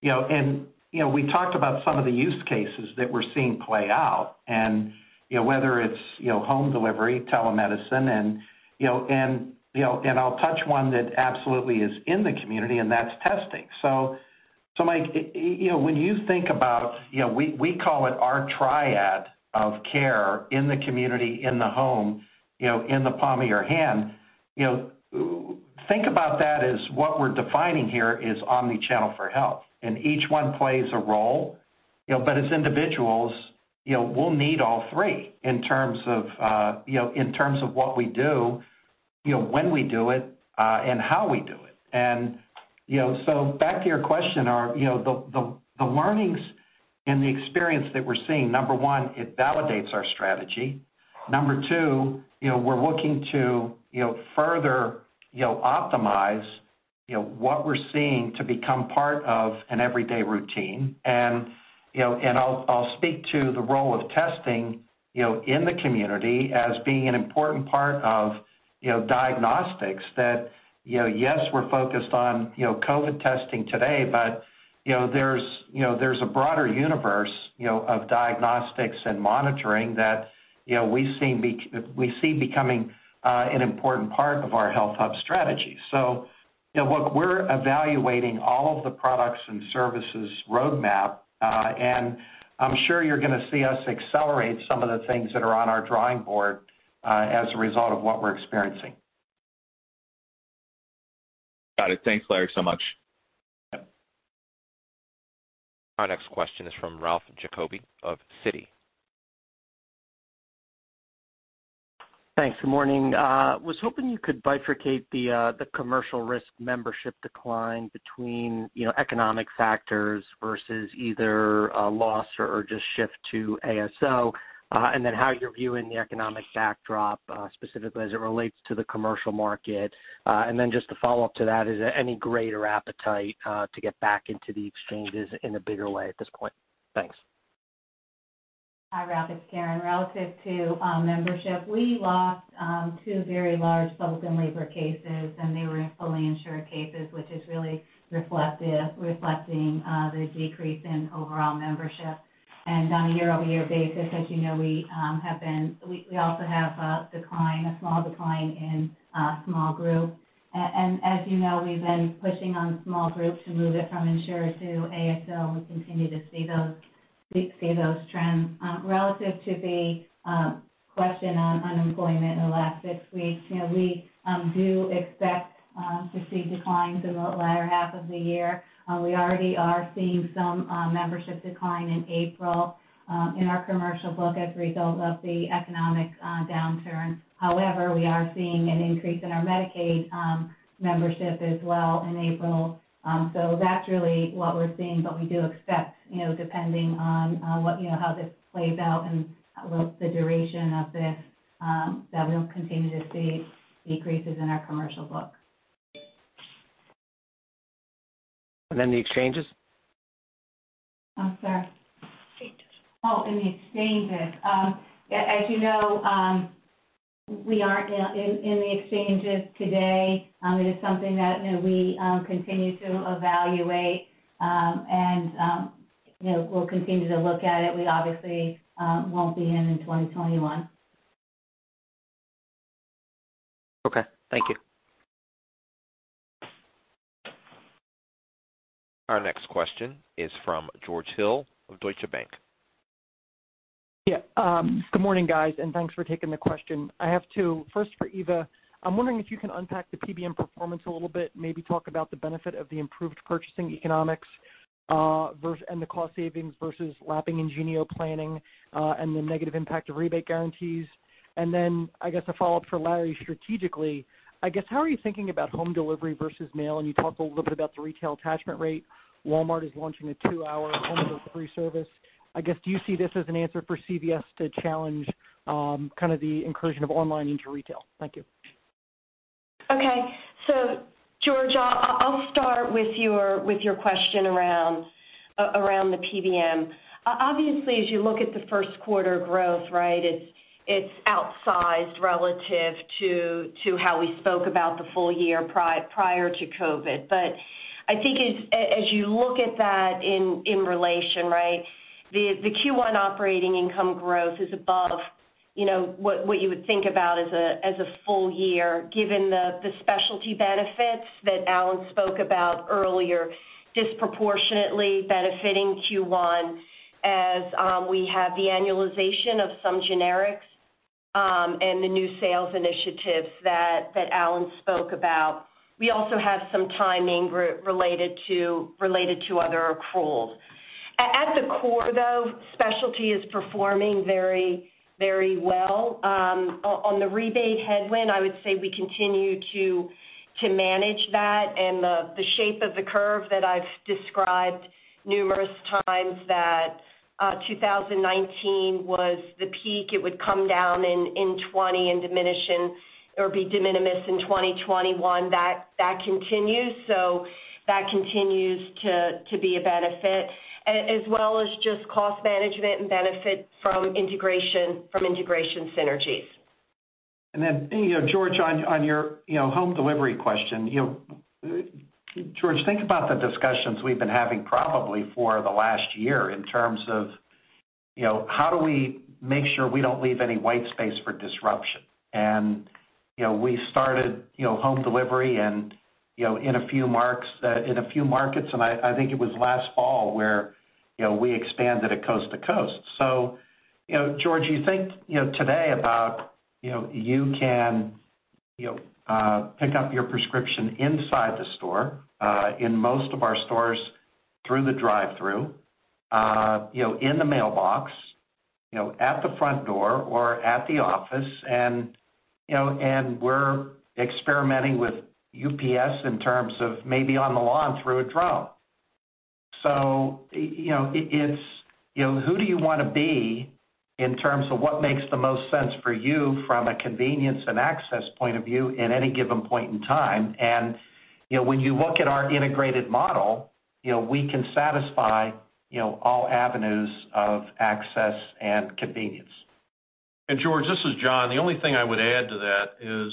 We talked about some of the use cases that we're seeing play out, and whether it's home delivery, telemedicine, and I'll touch one that absolutely is in the community, and that's testing. Michael, when you think about, we call it our triad of care in the community, in the home, in the palm of your hand. Think about that as what we're defining here is omni-channel for health, and each one plays a role. As individuals, we'll need all three in terms of what we do, when we do it, and how we do it. Back to your question, the learnings and the experience that we're seeing, number one, it validates our strategy. Number two, we're looking to further optimize what we're seeing to become part of an everyday routine. I'll speak to the role of testing in the community as being an important part of diagnostics that, yes, we're focused on COVID testing today, but there's a broader universe of diagnostics and monitoring that we see becoming an important part of our HealthHUB strategy. Look, we're evaluating all of the products and services roadmap. I'm sure you're going to see us accelerate some of the things that are on our drawing board as a result of what we're experiencing. Got it. Thanks, Larry, so much. Our next question is from Ralph Giacobbe of Citi. Thanks. Good morning. Was hoping you could bifurcate the commercial risk membership decline between economic factors versus either a loss or just shift to ASO. How you're viewing the economic backdrop, specifically as it relates to the commercial market. Just to follow up to that, is there any greater appetite to get back into the exchanges in a bigger way at this point? Thanks. Hi, Ralph, it's Karen. Relative to membership, we lost two very large public and labor cases, and they were fully insured cases, which is really reflecting the decrease in overall membership. On a year-over-year basis, as you know, we also have a decline, a small decline in small group. As you know, we've been pushing on small groups to move it from insured to ASO, and we continue to see those trends. Relative to the question on unemployment in the last six weeks, we do expect to see declines in the latter half of the year. We already are seeing some membership decline in April in our commercial book as a result of the economic downturn. However, we are seeing an increase in our Medicaid membership as well in April. That's really what we're seeing, but we do expect, depending on how this plays out and the duration of this, that we'll continue to see decreases in our commercial book. The exchanges? I'm sorry. Oh, in the exchanges. As you know, we aren't in the exchanges today. It is something that we continue to evaluate, and we'll continue to look at it. We obviously won't be in in 2021. Okay. Thank you. Our next question is from George Hill of Deutsche Bank. Yeah. Good morning, guys, and thanks for taking the question. I have two. First, for Eva, I'm wondering if you can unpack the PBM performance a little bit, maybe talk about the benefit of the improved purchasing economics, and the cost savings versus lapping Ingenio planning, and the negative impact of rebate guarantees. Then I guess a follow-up for Larry, strategically, I guess, how are you thinking about home delivery versus mail? You talked a little bit about the retail attachment rate. Walmart is launching a two-hour home delivery service. I guess, do you see this as an answer for CVS to challenge kind of the incursion of online into retail? Thank you. George, I'll start with your question around the PBM. As you look at the first quarter growth, right? It's outsized relative to how we spoke about the full year prior to COVID. I think as you look at that in relation, right? The Q1 operating income growth is above what you would think about as a full year, given the specialty benefits that Alan spoke about earlier, disproportionately benefiting Q1 as we have the annualization of some generics, and the new sales initiatives that Alan spoke about. We also have some timing related to other accruals. At the core, though, specialty is performing very well. On the rebate headwind, I would say we continue to manage that and the shape of the curve that I've described numerous times, that 2019 was the peak. It would come down in 2020 in diminution or be de minimis in 2021. That continues. That continues to be a benefit, as well as just cost management and benefit from integration synergies. Then, George, on your home delivery question. George, think about the discussions we've been having probably for the last year in terms of how do we make sure we don't leave any white space for disruption. We started home delivery in a few markets, and I think it was last fall where we expanded it coast to coast. George, you think today about you can pick up your prescription inside the store, in most of our stores through the drive-through, in the mailbox, at the front door, or at the office. We're experimenting with UPS in terms of maybe on the lawn through a drone. It's who do you want to be in terms of what makes the most sense for you from a convenience and access point of view in any given point in time? When you look at our integrated model, we can satisfy all avenues of access and convenience. George, this is John. The only thing I would add to that is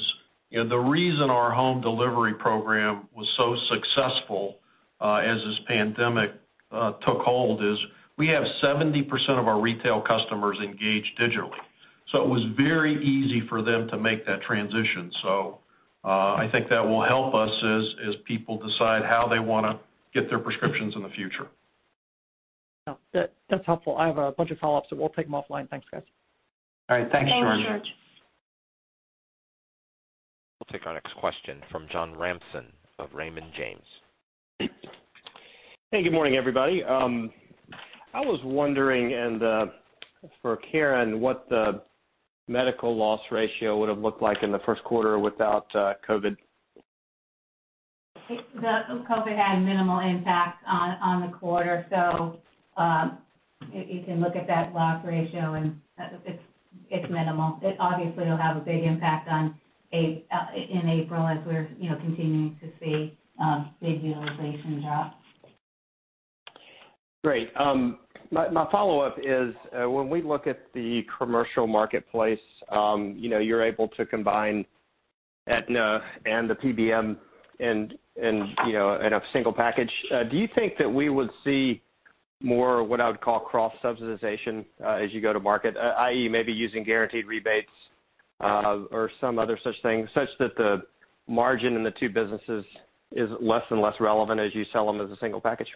the reason our home delivery program was so successful as this pandemic took hold is we have 70% of our retail customers engaged digitally, so it was very easy for them to make that transition. I think that will help us as people decide how they want to get their prescriptions in the future. Yeah. That's helpful. I have a bunch of follow-ups, but we'll take them offline. Thanks, guys. All right. Thanks, George. Thank you, George. We'll take our next question from John Ransom of Raymond James. Hey, good morning, everybody. I was wondering, and for Karen, what the medical loss ratio would've looked like in the first quarter without COVID? The COVID had minimal impact on the quarter, so, you can look at that loss ratio, and it's minimal. It obviously will have a big impact in April as we're continuing to see big utilization drops. Great. My follow-up is, when we look at the commercial marketplace, you're able to combine Aetna and the PBM in a single package. Do you think that we would see more, what I would call cross-subsidization, as you go to market, i.e., maybe using guaranteed rebates, or some other such thing, such that the margin in the two businesses is less and less relevant as you sell them as a single package?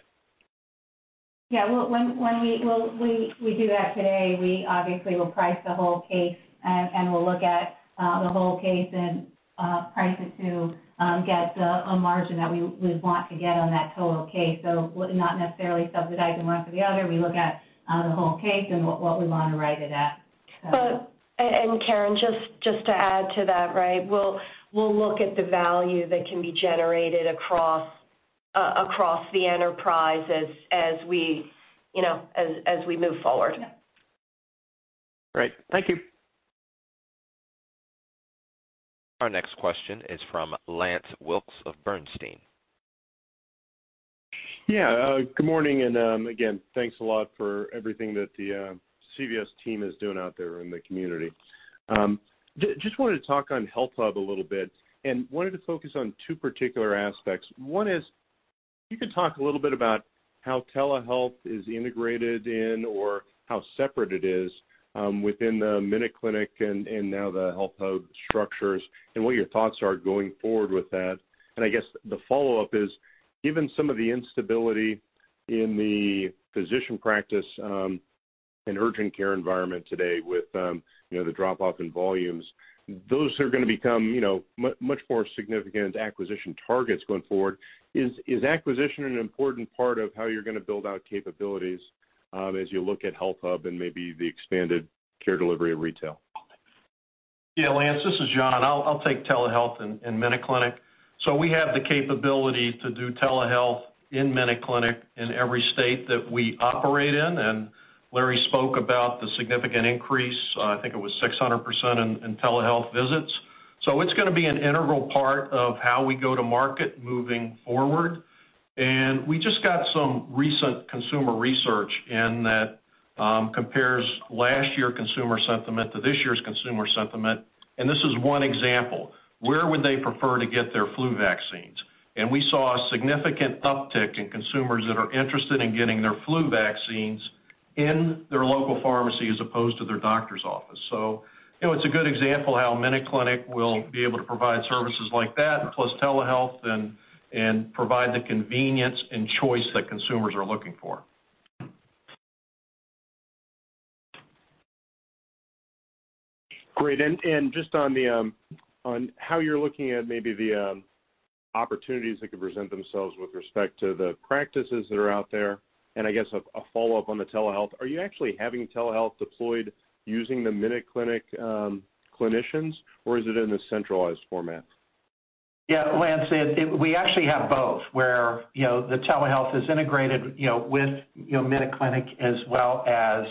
When we do that today, we obviously will price the whole case, and we'll look at the whole case and price it to get a margin that we want to get on that total case. Not necessarily subsidizing one for the other. We look at the whole case and what we want to write it at. Karen, just to add to that. We'll look at the value that can be generated across the enterprise as we move forward. Yeah. Great. Thank you. Our next question is from Lance Wilkes of Bernstein. Yeah. Good morning, again, thanks a lot for everything that the CVS team is doing out there in the community. Just wanted to talk on HealthHUB a little bit and wanted to focus on two particular aspects. One is, if you could talk a little bit about how telehealth is integrated in or how separate it is within the MinuteClinic and now the HealthHUB structures, and what your thoughts are going forward with that. I guess the follow-up is, given some of the instability in the physician practice, in urgent care environment today with the drop-off in volumes, those are going to become much more significant acquisition targets going forward. Is acquisition an important part of how you're going to build out capabilities as you look at HealthHUB and maybe the expanded care delivery of retail? Lance, this is John. I'll take telehealth and MinuteClinic. We have the capability to do telehealth in MinuteClinic in every state that we operate in. Larry spoke about the significant increase, I think it was 600% in telehealth visits. It's going to be an integral part of how we go to market moving forward. We just got some recent consumer research in that compares last year consumer sentiment to this year's consumer sentiment, and this is one example. Where would they prefer to get their flu vaccines? We saw a significant uptick in consumers that are interested in getting their flu vaccines in their local pharmacy as opposed to their doctor's office. It's a good example how MinuteClinic will be able to provide services like that, plus telehealth, and provide the convenience and choice that consumers are looking for. Great. Just on how you're looking at maybe the opportunities that could present themselves with respect to the practices that are out there, and I guess a follow-up on the telehealth, are you actually having telehealth deployed using the MinuteClinic clinicians, or is it in a centralized format? Yeah, Lance, we actually have both, where the telehealth is integrated with MinuteClinic as well as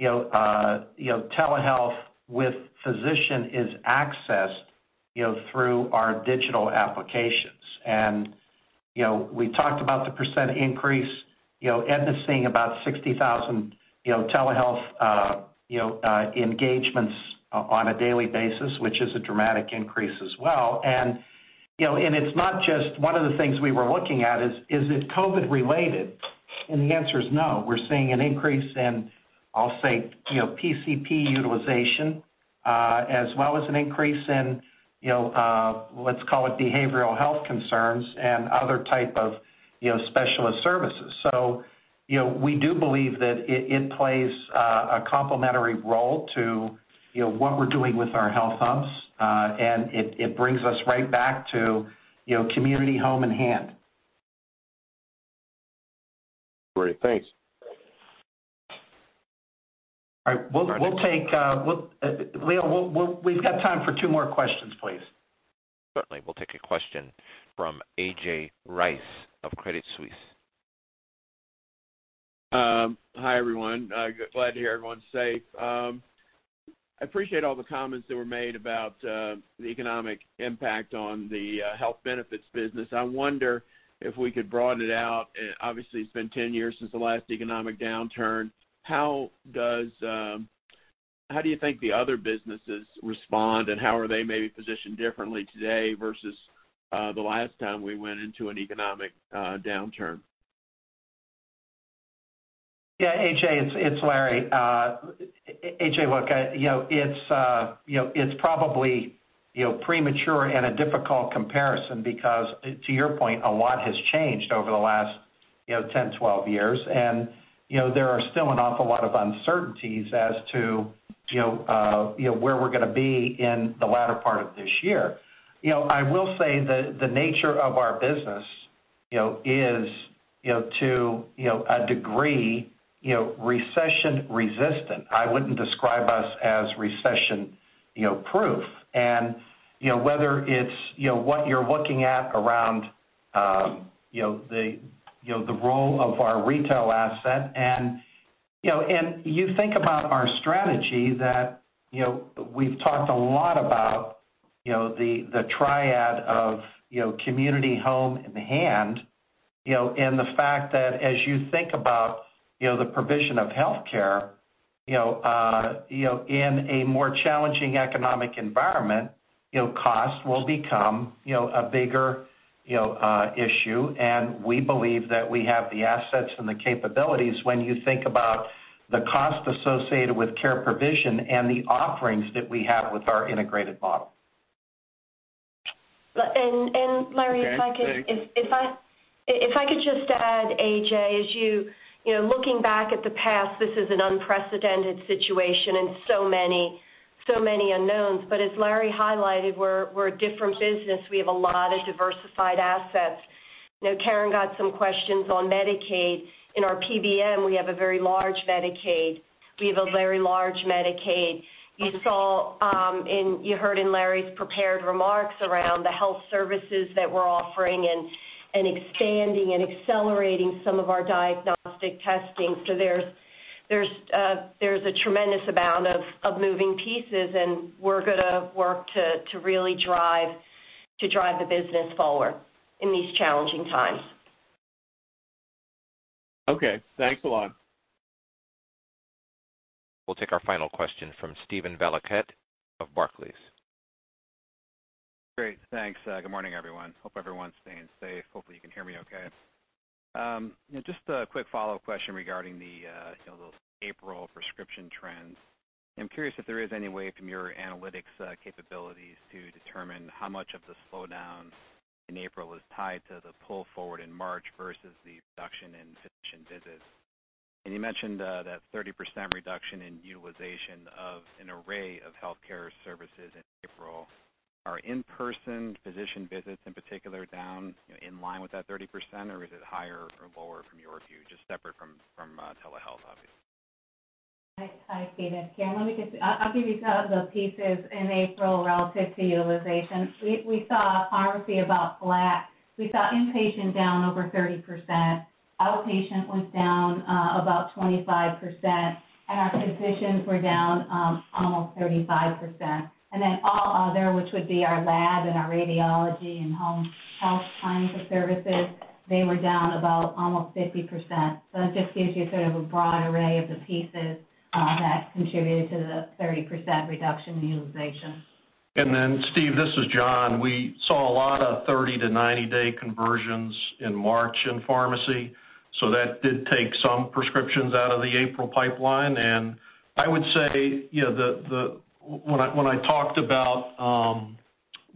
telehealth with physician is accessed through our digital applications. We talked about the percent increase. Aetna's seeing about 60,000 telehealth engagements on a daily basis, which is a dramatic increase as well. It's not just, one of the things we were looking at is it COVID related? The answer is no. We're seeing an increase in, I'll say, PCP utilization, as well as an increase in, let's call it behavioral health concerns and other type of specialist services. We do believe that it plays a complementary role to what we're doing with our HealthHUBs, and it brings us right back to community, home, and hand. Great. Thanks. All right. Leo, we've got time for two more questions, please. Certainly. We'll take a question from A.J. Rice of Credit Suisse. Hi, everyone. Glad to hear everyone's safe. I appreciate all the comments that were made about the economic impact on the health benefits business. I wonder if we could broaden it out. Obviously, it's been 10 years since the last economic downturn. How do you think the other businesses respond, and how are they maybe positioned differently today versus the last time we went into an economic downturn? Yeah, A.J., it's Larry. A.J., look, it's probably premature and a difficult comparison because, to your point, a lot has changed over the last 10, 12 years, and there are still an awful lot of uncertainties as to where we're going to be in the latter part of this year. I will say the nature of our business is, to a degree, recession resistant. I wouldn't describe us as recession-proof, and whether it's what you're looking at around the role of our retail asset, and you think about our strategy that we've talked a lot about, the Triad of Community, Home, and Hand, and the fact that as you think about the provision of healthcare in a more challenging economic environment, cost will become a bigger issue, and we believe that we have the assets and the capabilities when you think about the cost associated with care provision and the offerings that we have with our integrated model. Larry, if I could just add, AJ, as you, looking back at the past, this is an unprecedented situation and so many unknowns. As Larry highlighted, we're a different business. We have a lot of diversified assets. Karen got some questions on Medicaid. In our PBM, we have a very large Medicaid. You heard in Larry's prepared remarks around the health services that we're offering and expanding and accelerating some of our diagnostic testing. There's a tremendous amount of moving pieces, and we're going to work to really drive the business forward in these challenging times. Okay. Thanks a lot. We'll take our final question from Steven Valiquette of Barclays. Great. Thanks. Good morning, everyone. Hope everyone's staying safe. Hopefully, you can hear me okay. Just a quick follow-up question regarding those April prescription trends. I'm curious if there is any way from your analytics capabilities to determine how much of the slowdown in April is tied to the pull forward in March versus the reduction in physician visits. You mentioned that 30% reduction in utilization of an array of healthcare services in April. Are in-person physician visits in particular down in line with that 30%, or is it higher or lower from your view, just separate from telehealth, obviously? Hi, Steven. Karen. I'll give you the pieces in April relative to utilization. We saw pharmacy about flat. We saw inpatient down over 30%. Outpatient was down about 25%. Our physicians were down almost 35%. All other, which would be our lab and our radiology and home health kinds of services, they were down about almost 50%. It just gives you sort of a broad array of the pieces that contributed to the 30% reduction in utilization. Steve, this is John. We saw a lot of 30-90-day conversions in March in pharmacy. That did take some prescriptions out of the April pipeline. I would say when I talked about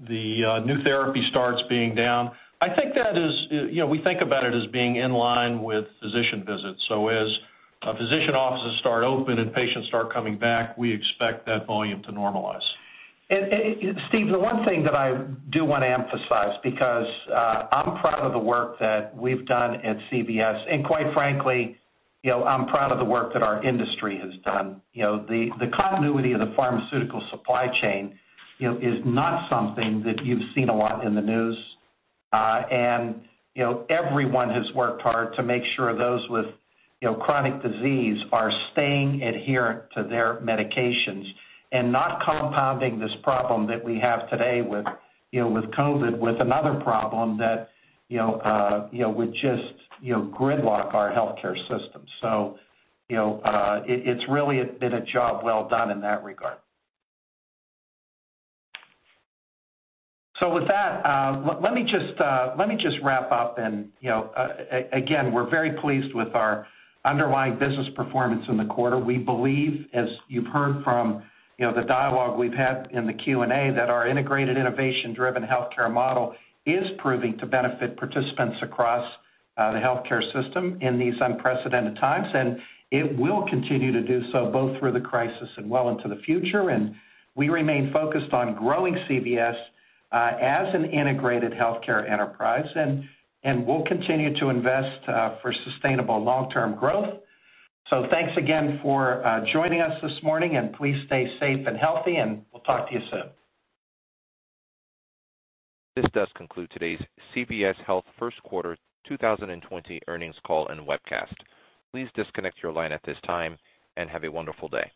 the new therapy starts being down, we think about it as being in line with physician visits. As physician offices start open and patients start coming back, we expect that volume to normalize. Steve, the one thing that I do want to emphasize, because I'm proud of the work that we've done at CVS, and quite frankly, I'm proud of the work that our industry has done. The continuity of the pharmaceutical supply chain is not something that you've seen a lot in the news. Everyone has worked hard to make sure those with chronic disease are staying adherent to their medications and not compounding this problem that we have today with COVID with another problem that would just gridlock our healthcare system. It's really been a job well done in that regard. With that, let me just wrap up, and again, we're very pleased with our underlying business performance in the quarter. We believe, as you've heard from the dialogue we've had in the Q&A, that our integrated innovation-driven healthcare model is proving to benefit participants across the healthcare system in these unprecedented times. It will continue to do so both through the crisis and well into the future. We remain focused on growing CVS as an integrated healthcare enterprise. We'll continue to invest for sustainable long-term growth. Thanks again for joining us this morning. Please stay safe and healthy. We'll talk to you soon. This does conclude today's CVS Health First Quarter 2020 earnings call and webcast. Please disconnect your line at this time, and have a wonderful day.